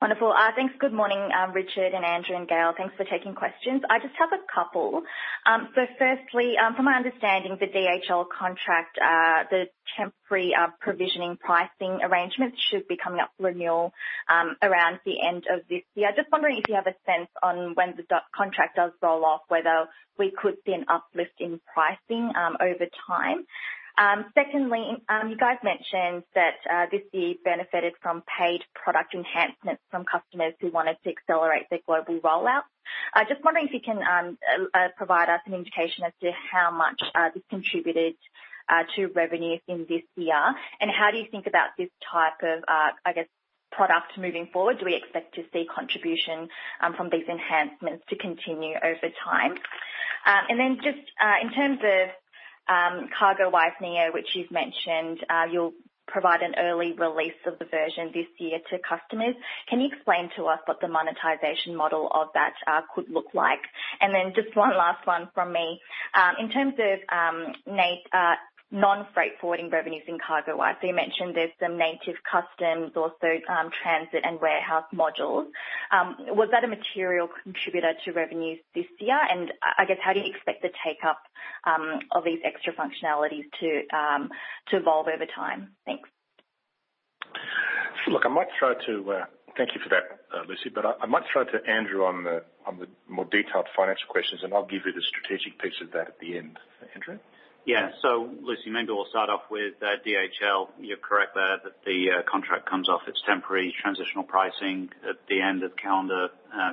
Wonderful. Thanks. Good morning, Richard and Andrew and Gail. Thanks for taking questions. I just have a couple. So firstly, from my understanding, the DHL contract, the temporary provisioning pricing arrangements, should be coming up for renewal around the end of this year. Just wondering if you have a sense on when the contract does roll off, whether we could see an uplift in pricing over time. Secondly, you guys mentioned that this year benefited from paid product enhancements from customers who wanted to accelerate their global rollout. Just wondering if you can provide us an indication as to how much this contributed to revenues in this year, and how do you think about this type of, I guess, product moving forward? Do we expect to see contribution from these enhancements to continue over time? And then just in terms of CargoWise Neo, which you've mentioned, you'll provide an early release of the version this year to customers. Can you explain to us what the monetization model of that could look like? And then just one last one from me. In terms of non-freight forwarding revenues in CargoWise, so you mentioned there's some native customs, also transit and warehouse modules. Was that a material contributor to revenues this year? And I guess, how do you expect the take-up of these extra functionalities to evolve over time? Thanks. Look, I might just thank you for that, Lucy, but I might turn to Andrew on the more detailed financial questions, and I'll give you the strategic piece of that at the end. Andrew? Yeah. So Lucy, maybe we'll start off with DHL. You're correct there that the contract comes off its temporary transitional pricing at the end of calendar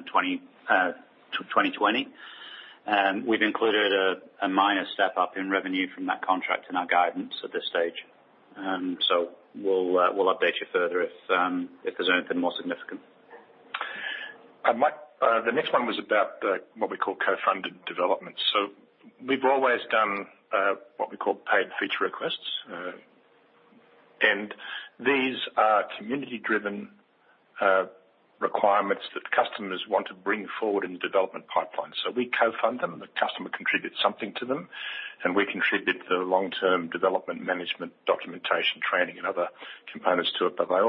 2020. We've included a minor step-up in revenue from that contract in our guidance at this stage. So we'll update you further if there's anything more significant. The next one was about what we call co-funded development. So we've always done what we call paid feature requests, and these are community-driven requirements that customers want to bring forward in the development pipeline. So we co-fund them, and the customer contributes something to them, and we contribute the long-term development management documentation, training, and other components to it. But they're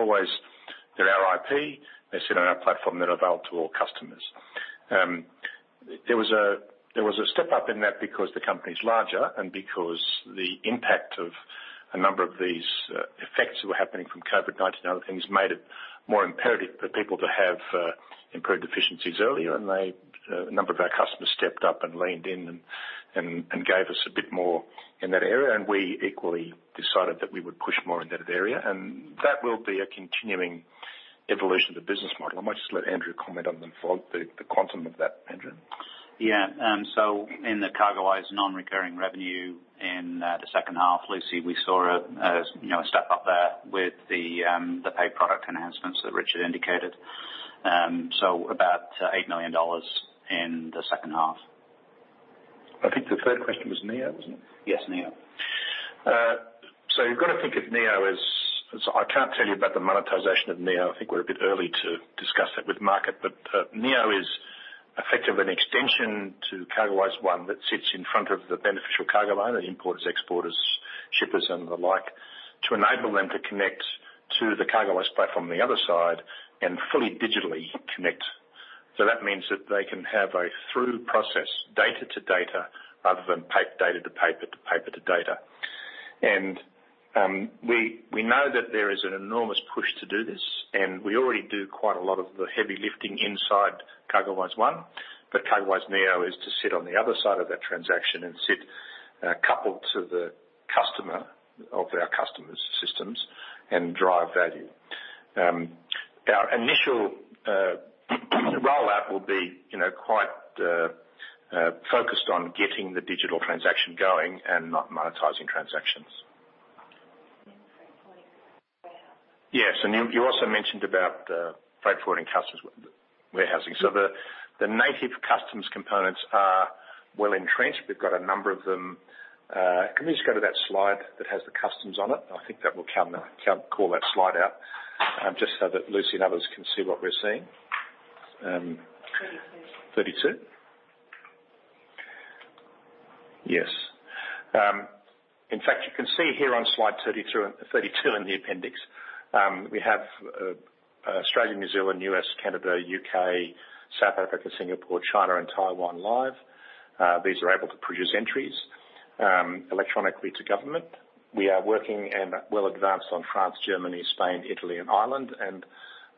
our IP. They sit on our platform. They're available to all customers. There was a step-up in that because the company's larger and because the impact of a number of these effects that were happening from COVID-19 and other things made it more imperative for people to have improved efficiencies earlier. And a number of our customers stepped up and leaned in and gave us a bit more in that area, and we equally decided that we would push more in that area. And that will be a continuing evolution of the business model. I might just let Andrew comment on the quantum of that, Andrew. Yeah. So in the CargoWise non-recurring revenue in the second half, Lucy, we saw a step-up there with the paid product enhancements that Richard indicated. So about 8 million dollars in the second half. I think the third question was Neo, wasn't it? Yes, Neo. So you've got to think of Neo as I can't tell you about the monetization of Neo. I think we're a bit early to discuss that with the market, but Neo is effectively an extension to CargoWise One that sits in front of the beneficial cargo owner, the importers, exporters, shippers, and the like, to enable them to connect to the CargoWise platform on the other side and fully digitally connect. So that means that they can have a through process, data to data, rather than paper to paper to paper to data. And we know that there is an enormous push to do this, and we already do quite a lot of the heavy lifting inside CargoWise One, but CargoWise Neo is to sit on the other side of that transaction and sit coupled to the customer of our customers' systems and drive value. Our initial rollout will be quite focused on getting the digital transaction going and not monetizing transactions. Yeah. So you also mentioned about freight forwarding customs warehousing. So the native customs components are well entrenched. We've got a number of them. Can we just go to that slide that has the customs on it? I think that will call that slide out just so that Lucy and others can see what we're seeing. 32. 32? Yes. In fact, you can see here on slide 32 in the appendix, we have Australia, New Zealand, US, Canada, UK, South Africa, Singapore, China, and Taiwan live. These are able to produce entries electronically to government. We are working and well advanced on France, Germany, Spain, Italy, and Ireland, and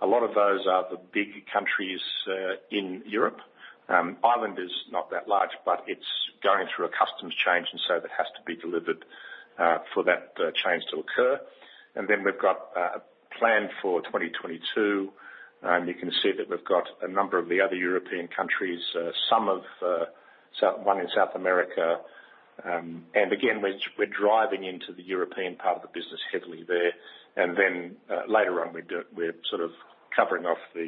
a lot of those are the big countries in Europe. Ireland is not that large, but it's going through a customs change, and so that has to be delivered for that change to occur. And then we've got a plan for 2022. You can see that we've got a number of the other European countries, some of one in South America. And again, we're driving into the European part of the business heavily there. And then later on, we're sort of covering off the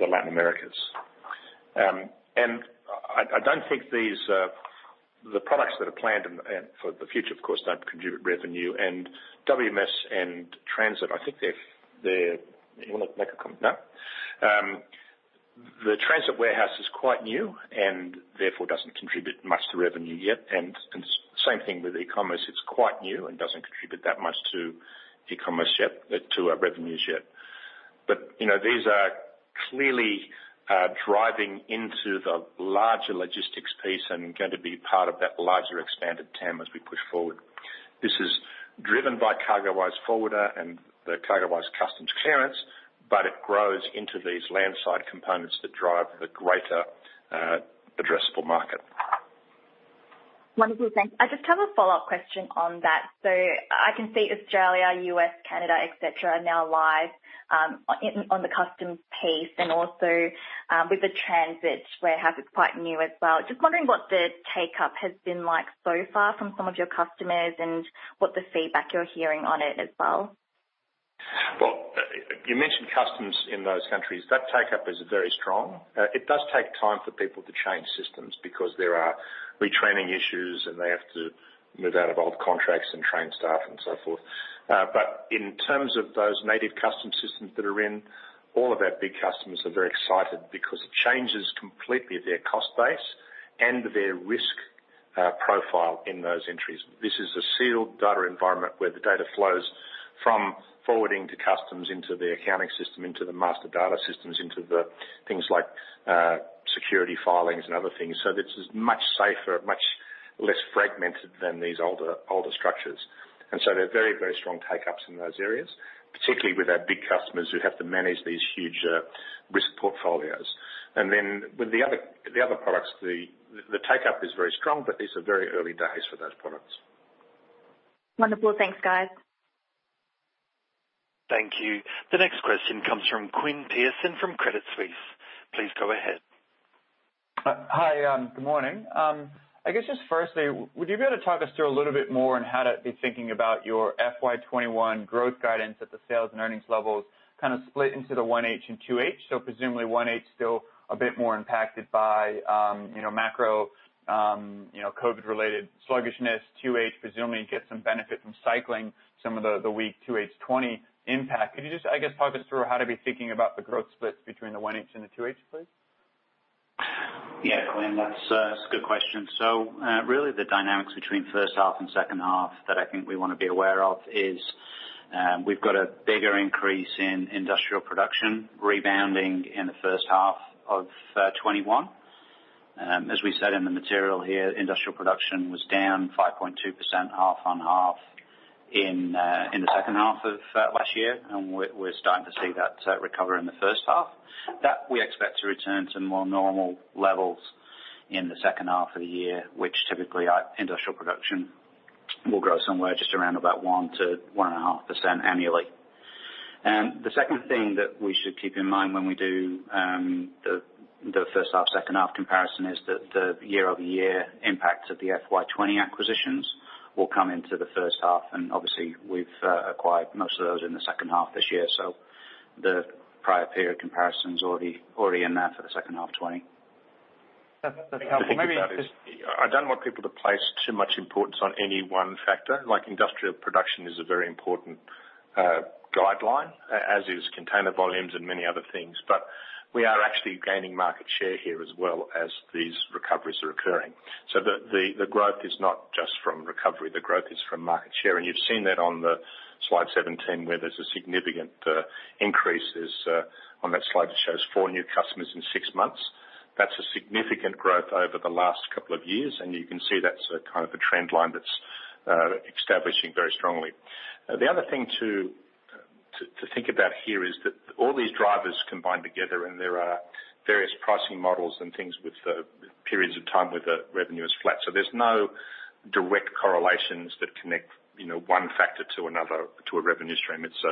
Latin America. And I don't think the products that are planned for the future, of course, don't contribute revenue. And WMS and transit, I think they're. Do you want to make a comment? No. The transit warehouse is quite new and therefore doesn't contribute much to revenue yet. And same thing with e-commerce. It's quite new and doesn't contribute that much to e-commerce yet, to our revenues yet. But these are clearly driving into the larger logistics piece and going to be part of that larger expanded TAM as we push forward. This is driven by CargoWise Forwarder and the CargoWise Customs clearance, but it grows into these landside components that drive the greater addressable market. Wonderful. Thanks. I just have a follow-up question on that. So I can see Australia, U.S., Canada, etc., are now live on the customs piece, and also with the transit warehouse, it's quite new as well. Just wondering what the take-up has been like so far from some of your customers and what the feedback you're hearing on it as well. Well, you mentioned customs in those countries. That take-up is very strong. It does take time for people to change systems because there are retraining issues, and they have to move out of old contracts and train staff and so forth. But in terms of those native customs systems that are in, all of our big customers are very excited because it changes completely their cost base and their risk profile in those entries. This is a sealed data environment where the data flows from forwarding to customs into the accounting system, into the master data systems, into the things like security filings and other things. So this is much safer, much less fragmented than these older structures. And so there are very, very strong take-ups in those areas, particularly with our big customers who have to manage these huge risk portfolios. And then with the other products, the take-up is very strong, but these are very early days for those products. Wonderful. Thanks, guys. Thank you. The next question comes from Quinn Pierson from Credit Suisse. Please go ahead. Hi. Good morning. I guess just firstly, would you be able to talk us through a little bit more on how to be thinking about your FY21 growth guidance at the sales and earnings levels, kind of split into the 1H and 2H? So presumably 1H is still a bit more impacted by macro COVID-related sluggishness. 2H presumably gets some benefit from cycling some of the weak 2H20 impact. Could you just, I guess, talk us through how to be thinking about the growth splits between the 1H and the 2H, please? Yeah, Quinn, that's a good question. So really, the dynamics between first half and second half that I think we want to be aware of is we've got a bigger increase in industrial production rebounding in the first half of 2021. As we said in the material here, industrial production was down 5.2%, half on half, in the second half of last year, and we're starting to see that recover in the first half. That, we expect, to return to more normal levels in the second half of the year, which typically industrial production will grow somewhere just around about 1%-1.5% annually, and the second thing that we should keep in mind when we do the first half, second half comparison is that the year-over-year impacts of the FY20 acquisitions will come into the first half, and obviously, we've acquired most of those in the second half this year. So the prior period comparison's already in there for the second half '20. That's helpful. Maybe I don't want people to place too much importance on any one factor. Industrial production is a very important guideline, as is container volumes and many other things, but we are actually gaining market share here as well as these recoveries are occurring. So the growth is not just from recovery. The growth is from market share. And you've seen that on the slide 17, where there's a significant increase. On that slide, it shows four new customers in six months. That's a significant growth over the last couple of years, and you can see that's kind of a trend line that's establishing very strongly. The other thing to think about here is that all these drivers combine together, and there are various pricing models and things with periods of time where the revenue is flat. So there's no direct correlations that connect one factor to another to a revenue stream. It's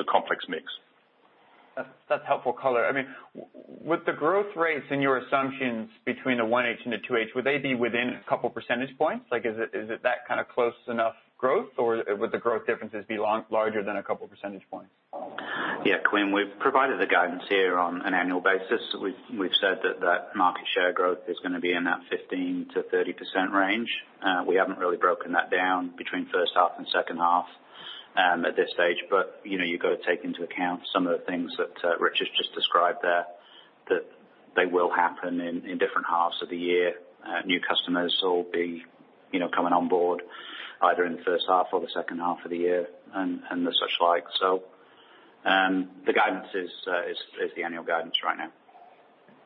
a complex mix. That's helpful color. I mean, with the growth rates and your assumptions between the 1H and the 2H, would they be within a couple percentage points? Is that kind of close enough growth, or would the growth differences be larger than a couple percentage points? Yeah, Quinn, we've provided the guidance here on an annual basis. We've said that that market share growth is going to be in that 15%-30% range. We haven't really broken that down between first half and second half at this stage, but you've got to take into account some of the things that Richard's just described there that they will happen in different halves of the year. New customers will be coming on board either in the first half or the second half of the year and such like. So the guidance is the annual guidance right now.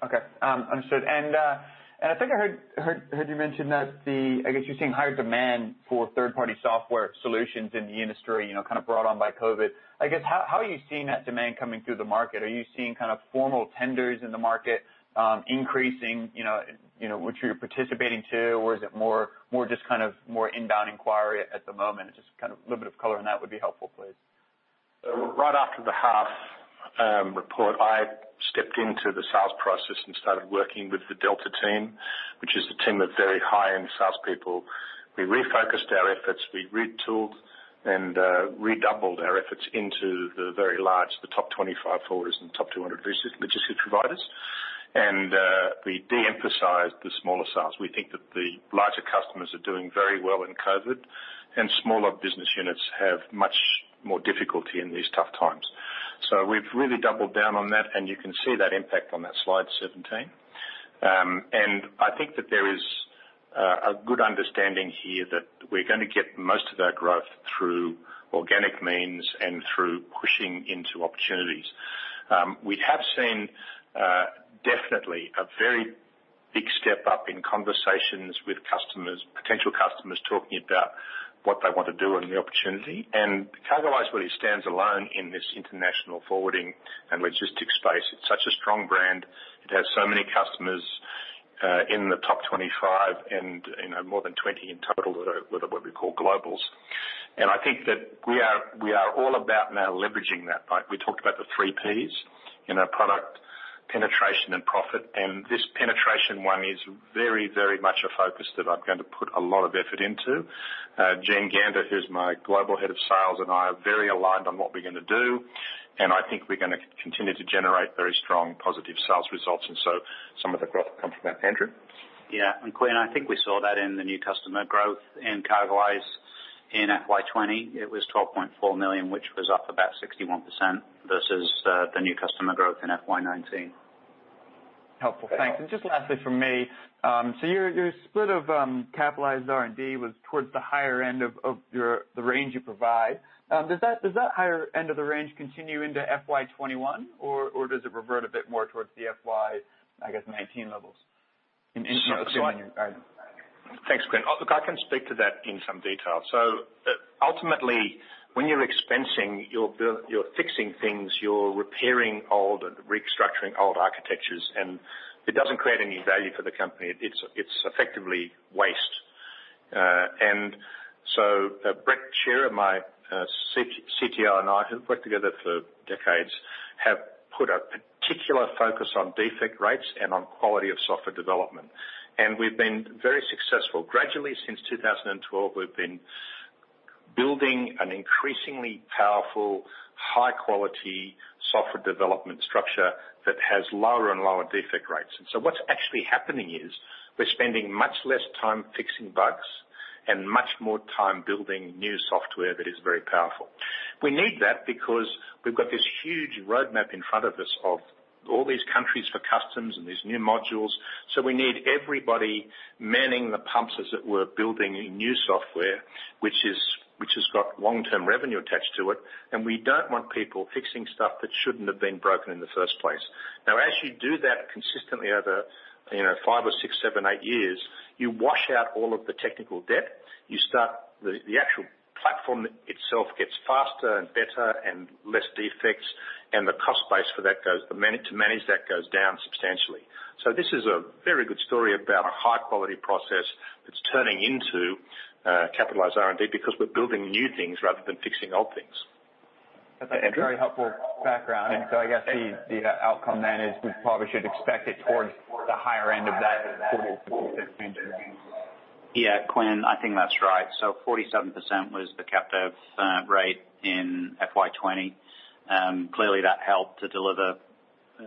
Okay. Understood. I think I heard you mention that I guess you're seeing higher demand for third-party software solutions in the industry, kind of brought on by COVID. I guess, how are you seeing that demand coming through the market? Are you seeing kind of formal tenders in the market increasing, which you're participating to, or is it more just kind of inbound inquiry at the moment? Just kind of a little bit of color on that would be helpful, please. Right after the half report, I stepped into the sales process and started working with the Delta Team, which is a team of very high-end salespeople. We refocused our efforts. We retooled and redoubled our efforts into the very large, the top 25 forwarders and top 200 logistics providers, and we de-emphasized the smaller sales. We think that the larger customers are doing very well in COVID, and smaller business units have much more difficulty in these tough times. So we've really doubled down on that, and you can see that impact on that slide 17. And I think that there is a good understanding here that we're going to get most of our growth through organic means and through pushing into opportunities. We have seen definitely a very big step-up in conversations with potential customers talking about what they want to do and the opportunity. And CargoWise, really, stands alone in this international forwarding and logistics space. It's such a strong brand. It has so many customers in the top 25 and more than 20 in total that are what we call globals. And I think that we are all about now leveraging that. We talked about the three P's: product, penetration, and profit. This penetration one is very, very much a focus that I'm going to put a lot of effort into. Gene Gander, who's my Global Head of Sales, and I are very aligned on what we're going to do, and I think we're going to continue to generate very strong positive sales results. So some of the growth will come from that. Andrew? Yeah. Quinn, I think we saw that in the new customer growth in CargoWise in FY20. It was 12.4 million, which was up about 61% versus the new customer growth in FY19. Helpful. Thanks. Just lastly for me, so your split of capitalized R&D was towards the higher end of the range you provide. Does that higher end of the range continue into FY21, or does it revert a bit more towards the FY, I guess, '19 levels? Thanks, Quinn. Look, I can speak to that in some detail, so ultimately, when you're expensing, you're fixing things, you're repairing old and restructuring old architectures, and it doesn't create any value for the company. It's effectively waste, and so Brett Shearer, my CTO, and I, who've worked together for decades, have put a particular focus on defect rates and on quality of software development, and we've been very successful. Gradually, since 2012, we've been building an increasingly powerful, high-quality software development structure that has lower and lower defect rates, and so what's actually happening is we're spending much less time fixing bugs and much more time building new software that is very powerful. We need that because we've got this huge roadmap in front of us of all these countries for customs and these new modules. So we need everybody manning the pumps, as it were, building new software, which has got long-term revenue attached to it. And we don't want people fixing stuff that shouldn't have been broken in the first place. Now, as you do that consistently over five or six, seven, eight years, you wash out all of the technical debt. The actual platform itself gets faster and better and less defects, and the cost base for that to manage that goes down substantially. So this is a very good story about a high-quality process that's turning into capitalized R&D because we're building new things rather than fixing old things. That's a very helpful background. And so I guess the outcome then is we probably should expect it towards the higher end of that 47% range. Yeah, Quinn, I think that's right. So 47% was the CapEx rate in FY20. Clearly, that helped to deliver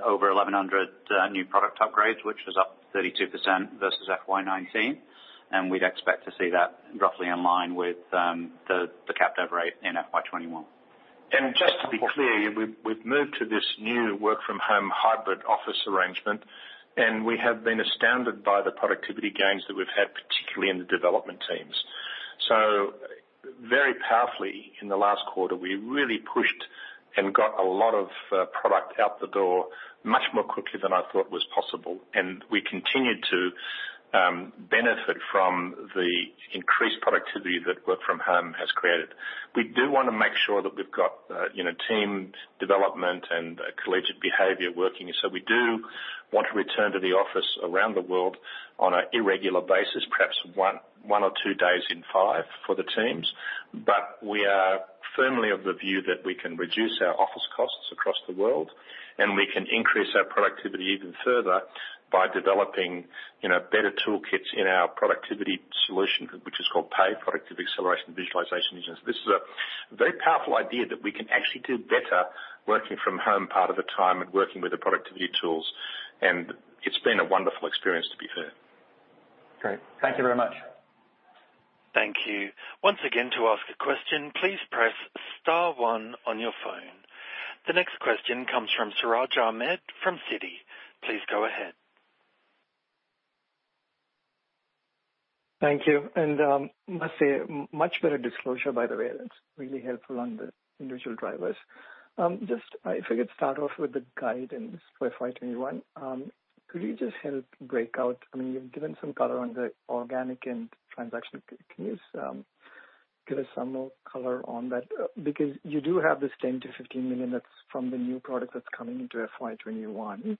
over 1,100 new product upgrades, which was up 32% versus FY19, and we'd expect to see that roughly in line with the captive rate in FY21. Just to be clear, we've moved to this new work-from-home hybrid office arrangement, and we have been astounded by the productivity gains that we've had, particularly in the development teams. Very powerfully, in the last quarter, we really pushed and got a lot of product out the door much more quickly than I thought was possible, and we continued to benefit from the increased productivity that work-from-home has created. We do want to make sure that we've got team development and collegiate behavior working, so we do want to return to the office around the world on an irregular basis, perhaps one or two days in five for the teams. But we are firmly of the view that we can reduce our office costs across the world, and we can increase our productivity even further by developing better toolkits in our productivity solution, which is called PAVE, Productivity Acceleration Visualization Engine. So this is a very powerful idea that we can actually do better working from home part of the time and working with the productivity tools. And it's been a wonderful experience, to be fair. Great. Thank you very much. Thank you. Once again, to ask a question, please press star one on your phone. The next question comes from Siraj Ahmed from Citi. Please go ahead. Thank you. And I must say, much better disclosure, by the way. That's really helpful on the individual drivers. Just if I could start off with the guidance for FY21, could you just help break out? I mean, you've given some color on the organic and transactional. Can you give us some more color on that? Because you do have this 10 million-15 million that's from the new product that's coming into FY21,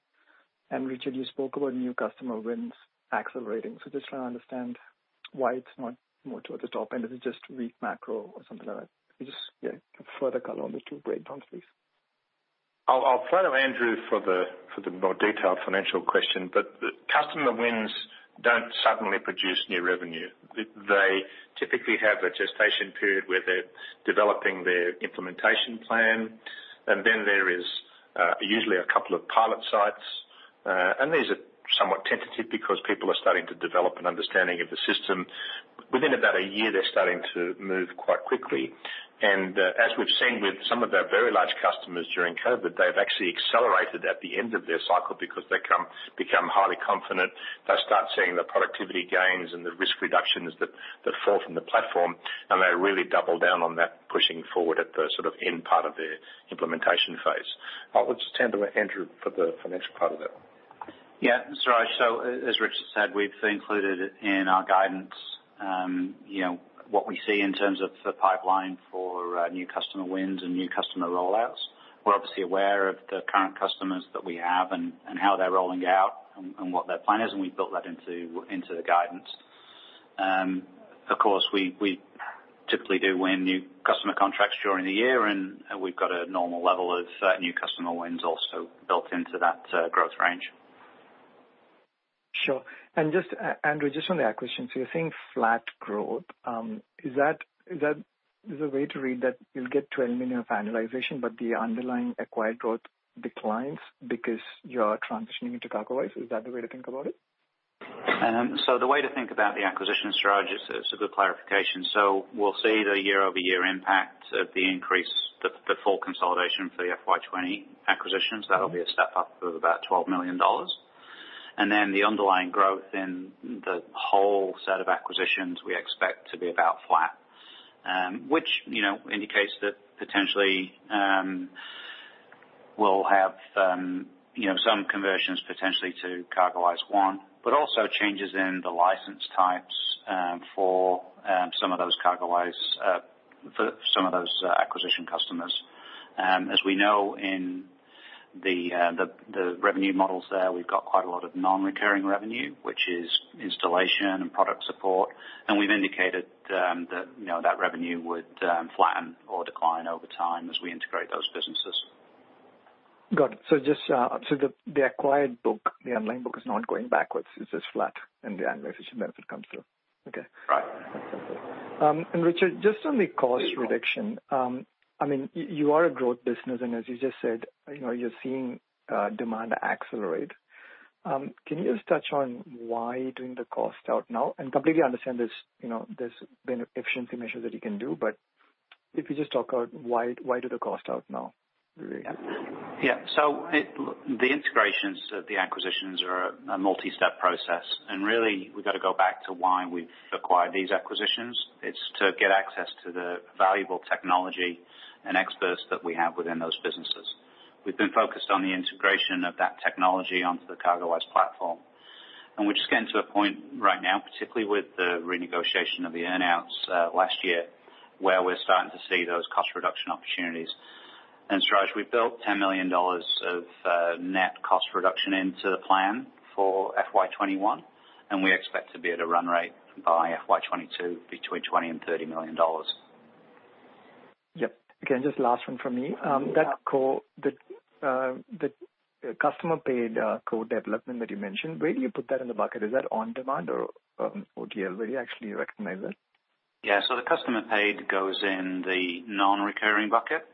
and Richard, you spoke about new customer wins accelerating, so just trying to understand why it's not more towards the top end. Is it just weak macro or something like that? Just further color on the two breakdowns, please. I'll follow Andrew for the more detailed financial question, but customer wins don't suddenly produce new revenue. They typically have a gestation period where they're developing their implementation plan, and then there is usually a couple of pilot sites, and these are somewhat tentative because people are starting to develop an understanding of the system. Within about a year, they're starting to move quite quickly. As we've seen with some of their very large customers during COVID, they've actually accelerated at the end of their cycle because they become highly confident. They start seeing the productivity gains and the risk reductions that fall from the platform, and they really double down on that, pushing forward at the sort of end part of their implementation phase. I'll just turn to Andrew for the financial part of that. Yeah. Siraj, so as Richard said, we've included in our guidance what we see in terms of the pipeline for new customer wins and new customer rollouts. We're obviously aware of the current customers that we have and how they're rolling out and what their plan is, and we've built that into the guidance. Of course, we typically do win new customer contracts during the year, and we've got a normal level of new customer wins also built into that growth range. Sure. And just, Andrew, just on that question. So you're saying flat growth. Is that the way to read that you'll get 12 million of annualization, but the underlying acquired growth declines because you're transitioning into CargoWise? Is that the way to think about it? So the way to think about the acquisition strategy, so it's a good clarification. So we'll see the year-over-year impact of the increase, the full consolidation for the FY20 acquisitions. That'll be a step-up of about 12 million dollars. The underlying growth in the whole set of acquisitions, we expect to be about flat, which indicates that potentially we'll have some conversions potentially to CargoWise One, but also changes in the license types for some of those CargoWise for some of those acquisition customers. As we know in the revenue models there, we've got quite a lot of non-recurring revenue, which is installation and product support. We've indicated that that revenue would flatten or decline over time as we integrate those businesses. Got it. The acquired book, the underlying book is not going backwards. It's just flat, and the annualization benefit comes through. Okay. Right. Richard, just on the cost reduction, I mean, you are a growth business, and as you just said, you're seeing demand accelerate. Can you just touch on why doing the cost out now? I completely understand there's been efficiency measures that you can do, but if you just talk about why do the cost out now? Yeah. The integrations of the acquisitions are a multi-step process. Really, we've got to go back to why we've acquired these acquisitions. It's to get access to the valuable technology and experts that we have within those businesses. We've been focused on the integration of that technology onto the CargoWise platform. We're just getting to a point right now, particularly with the renegotiation of the earn-outs last year, where we're starting to see those cost reduction opportunities. Siraj, we built 10 million dollars of net cost reduction into the plan for FY21, and we expect to be at a run rate by FY22 between 20 million and 30 million dollars. Yep. Okay. Just last one from me. That customer-paid code development that you mentioned, where do you put that in the bucket? Is that on-demand or OTL? Where do you actually recognize it? Yeah. So the customer-paid goes in the non-recurring bucket.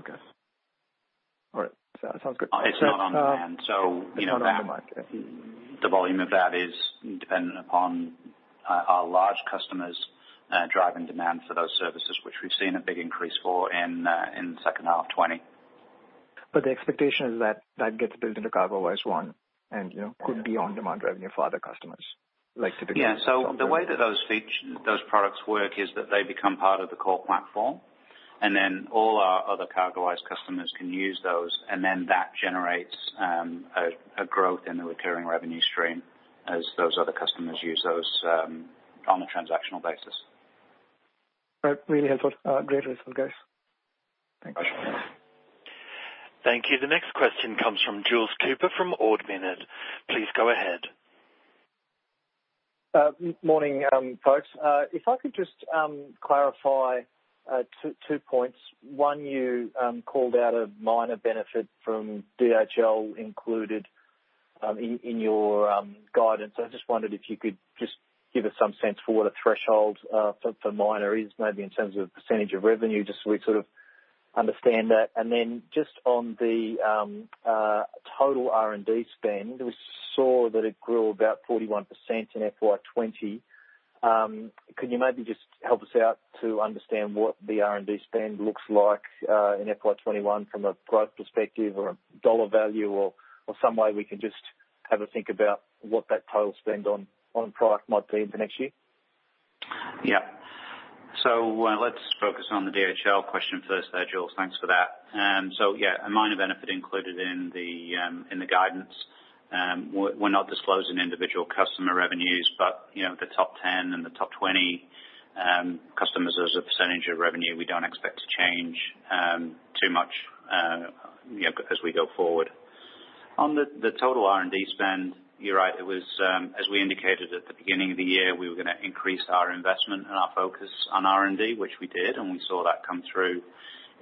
Okay. All right. Sounds good. It's not on-demand. So the volume of that is dependent upon our large customers driving demand for those services, which we've seen a big increase for in the second half of 2020. But the expectation is that that gets built into CargoWise One and could be on-demand revenue for other customers, like typically on-demand. Yeah. So the way that those products work is that they become part of the core platform, and then all our other CargoWise customers can use those, and then that generates a growth in the recurring revenue stream as those other customers use those on a transactional basis. All right. Really helpful. Great resource, guys. Thanks. Thank you. The next question comes from Jules Cooper from Ord Minnett. Please go ahead. Morning, folks. If I could just clarify two points. One, you called out a minor benefit from DHL included in your guidance. I just wondered if you could just give us some sense for what a threshold for minor is, maybe in terms of percentage of revenue, just so we sort of understand that. And then just on the total R&D spend, we saw that it grew about 41% in FY20. Could you maybe just help us out to understand what the R&D spend looks like in FY21 from a growth perspective or a dollar value or some way we can just have a think about what that total spend on product might be for next year? Yep. So let's focus on the DHL question first there, Jules. Thanks for that. So yeah, a minor benefit included in the guidance. We're not disclosing individual customer revenues, but the top 10 and the top 20 customers as a percentage of revenue, we don't expect to change too much as we go forward. On the total R&D spend, you're right. As we indicated at the beginning of the year, we were going to increase our investment and our focus on R&D, which we did, and we saw that come through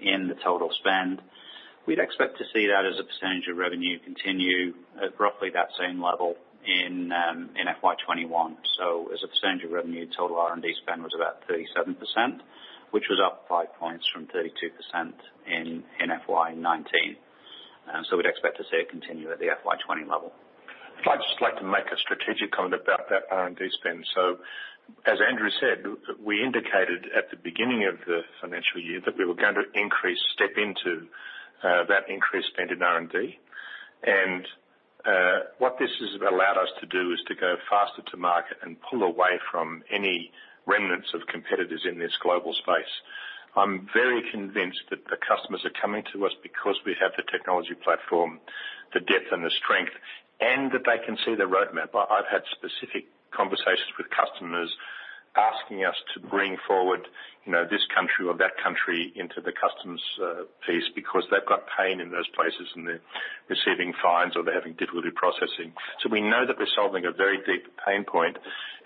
in the total spend. We'd expect to see that as a percentage of revenue continue at roughly that same level in FY21. So as a percentage of revenue, total R&D spend was about 37%, which was up five points from 32% in FY19. So we'd expect to see it continue at the FY20 level. I'd just like to make a strategic comment about that R&D spend. So as Andrew said, we indicated at the beginning of the financial year that we were going to step into that increased spend in R&D. And what this has allowed us to do is to go faster to market and pull away from any remnants of competitors in this global space. I'm very convinced that the customers are coming to us because we have the technology platform, the depth, and the strength, and that they can see the roadmap. I've had specific conversations with customers asking us to bring forward this country or that country into the customs piece because they've got pain in those places, and they're receiving fines, or they're having difficulty processing. So we know that we're solving a very deep pain point,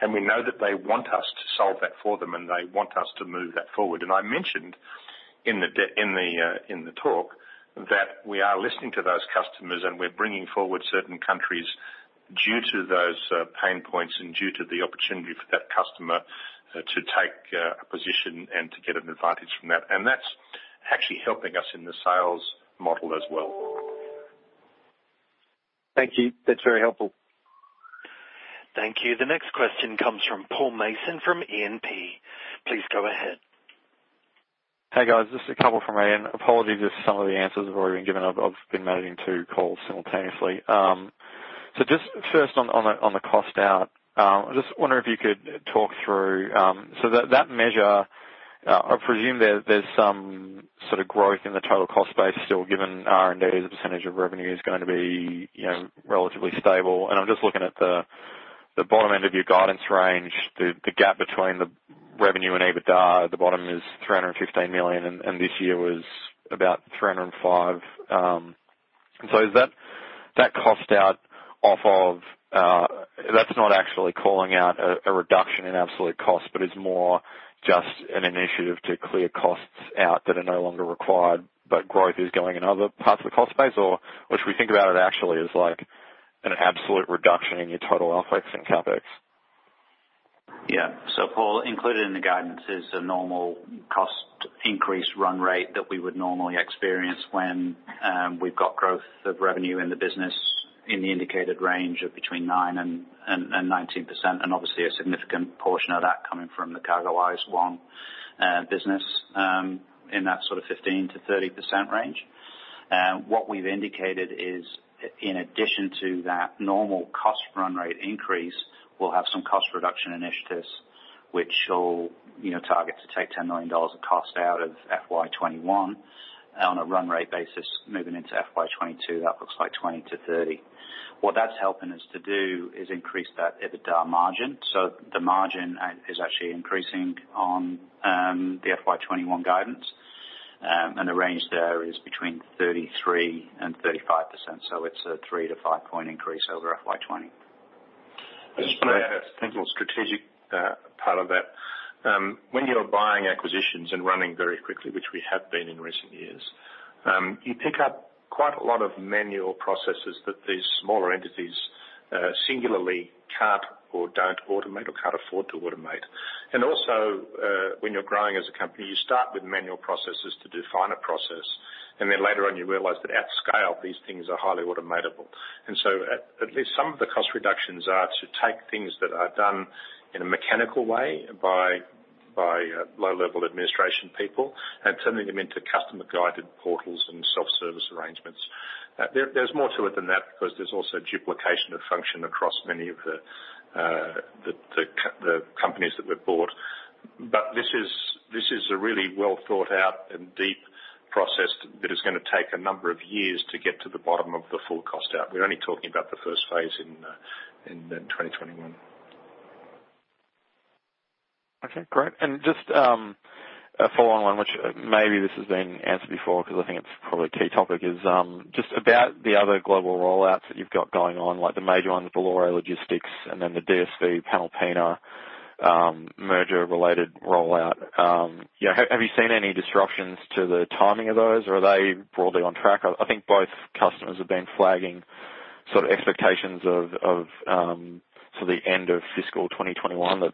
and we know that they want us to solve that for them, and they want us to move that forward. I mentioned in the talk that we are listening to those customers, and we're bringing forward certain countries due to those pain points and due to the opportunity for that customer to take a position and to get an advantage from that. And that's actually helping us in the sales model as well. Thank you. That's very helpful. Thank you. The next question comes from Paul Mason from E&P. Please go ahead. Hey, guys. This is Paul from Rayne. Apologies if some of the answers have already been given. I've been managing two calls simultaneously. So just first on the cost out, I just wonder if you could talk through so that measure. I presume there's some sort of growth in the total cost base still given R&D as a percentage of revenue is going to be relatively stable. I'm just looking at the bottom end of your guidance range, the gap between the revenue and EBITDA. The bottom is 315 million, and this year was about 305 million. And so the cost out of that's not actually calling out a reduction in absolute cost, but it's more just an initiative to clear costs out that are no longer required, but growth is going in other parts of the cost base, or should we think about it actually as an absolute reduction in your total OpEx and CapEx? Yeah. So Paul, included in the guidance is a normal cost increase run rate that we would normally experience when we've got growth of revenue in the business in the indicated range of between 9% and 19%, and obviously a significant portion of that coming from the CargoWise One business in that sort of 15%-30% range. What we've indicated is, in addition to that normal cost run rate increase, we'll have some cost reduction initiatives, which will target to take 10 million dollars of cost out of FY21 on a run rate basis, moving into FY22. That looks like 20-30. What that's helping us to do is increase that EBITDA margin. So the margin is actually increasing on the FY21 guidance, and the range there is between 33% and 35%. So it's a 3- to 5-point increase over FY20. I just want to add a technical strategic part of that. When you're buying acquisitions and running very quickly, which we have been in recent years, you pick up quite a lot of manual processes that these smaller entities singularly can't or don't automate or can't afford to automate. And also, when you're growing as a company, you start with manual processes to define a process, and then later on you realize that at scale, these things are highly automatable. And so at least some of the cost reductions are to take things that are done in a mechanical way by low-level administration people and turning them into customer-guided portals and self-service arrangements. There's more to it than that because there's also duplication of function across many of the companies that we've bought. But this is a really well-thought-out and deep process that is going to take a number of years to get to the bottom of the full cost out. We're only talking about the first phase in 2021. Okay. Great. And just a follow-on one, which maybe this has been answered before because I think it's probably a key topic, is just about the other global rollouts that you've got going on, like the major ones, Bolloré Logistics and then the DSV Panalpina merger-related rollout. Have you seen any disruptions to the timing of those, or are they broadly on track? I think both customers have been flagging sort of expectations of sort of the end of fiscal 2021, that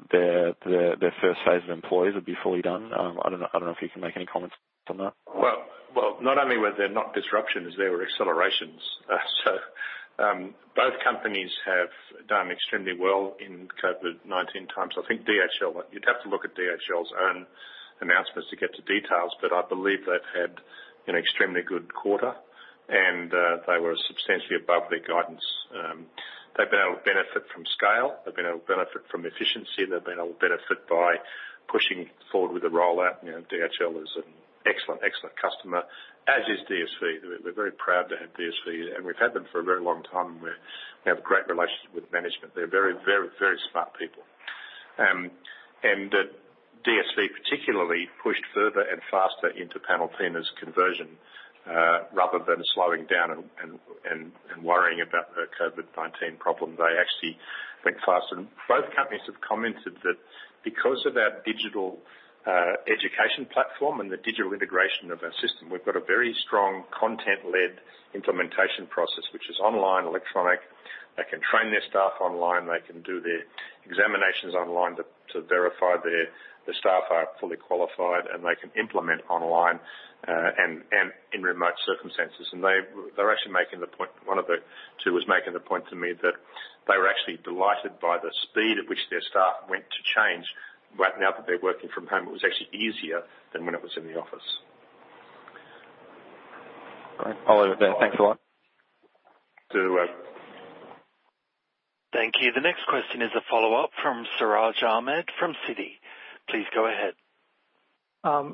their first phase of employees would be fully done. I don't know if you can make any comments on that. Well, not only were there not disruptions, there were accelerations. So both companies have done extremely well in COVID-19 times. I think DHL, you'd have to look at DHL's own announcements to get to details, but I believe they've had an extremely good quarter, and they were substantially above their guidance. They've been able to benefit from scale. They've been able to benefit from efficiency. They've been able to benefit by pushing forward with the rollout. DHL is an excellent, excellent customer, as is DSV. We're very proud to have DSV, and we've had them for a very long time, and we have a great relationship with management. They're very, very, very smart people, and DSV particularly pushed further and faster into Panalpina's conversion rather than slowing down and worrying about the COVID-19 problem. They actually went faster. Both companies have commented that because of our digital education platform and the digital integration of our system, we've got a very strong content-led implementation process, which is online, electronic. They can train their staff online. They can do their examinations online to verify their staff are fully qualified, and they can implement online and in remote circumstances. And they're actually making the point one of the two was making the point to me that they were actually delighted by the speed at which their staff went to change. Now that they're working from home, it was actually easier than when it was in the office. All right. I'll leave it there. Thanks a lot. Thank you. The next question is a follow-up from Siraj Ahmed from Citi. Please go ahead.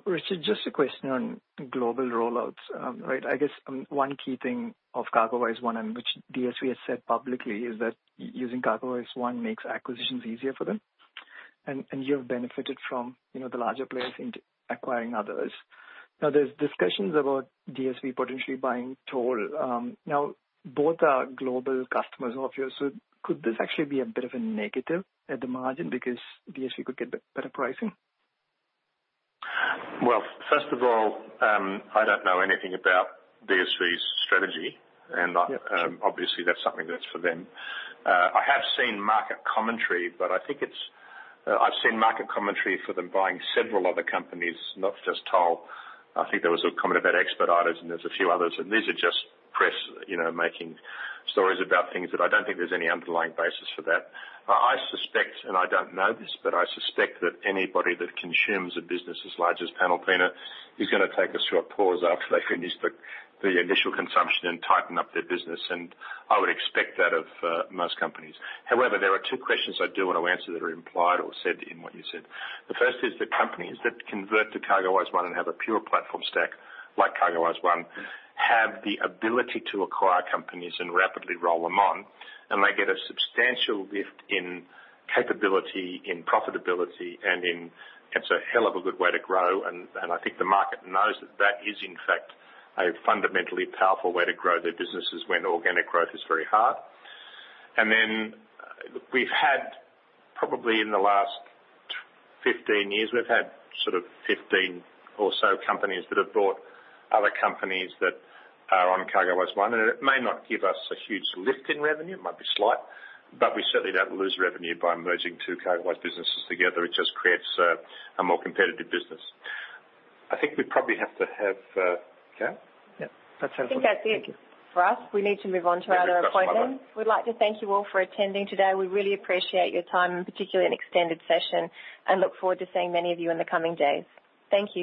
Richard, just a question on global rollouts. I guess one key thing of CargoWise One, which DSV has said publicly, is that using CargoWise One makes acquisitions easier for them, and you have benefited from the larger players in acquiring others. Now, there's discussions about DSV potentially buying Toll. Now, both are global customers of yours. So could this actually be a bit of a negative at the margin because DSV could get better pricing? Well, first of all, I don't know anything about DSV's strategy, and obviously, that's something that's for them. I have seen market commentary, but I think I've seen market commentary for them buying several other companies, not just Toll. I think there was a comment about Expeditors, and there's a few others, and these are just press making stories about things that I don't think there's any underlying basis for that. I suspect, and I don't know this, but I suspect that anybody that consumes a business as large as Panalpina is going to take a short pause after they finish the initial consumption and tighten up their business, and I would expect that of most companies. However, there are two questions I do want to answer that are implied or said in what you said. The first is that companies that convert to CargoWise One and have a pure platform stack like CargoWise One have the ability to acquire companies and rapidly roll them on, and they get a substantial lift in capability, in profitability, and in it's a hell of a good way to grow, and I think the market knows that that is, in fact, a fundamentally powerful way to grow their businesses when organic growth is very hard, and then we've had, probably in the last 15 years, we've had sort of 15 or so companies that have bought other companies that are on CargoWise One, and it may not give us a huge lift in revenue. It might be slight, but we certainly don't lose revenue by merging two CargoWise businesses together. It just creates a more competitive business. I think we probably have to have okay? Yeah. That's helpful. I think that's it for us. We need to move on to our other appointment. We'd like to thank you all for attending today. We really appreciate your time, particularly an extended session, and look forward to seeing many of you in the coming days. Thank you.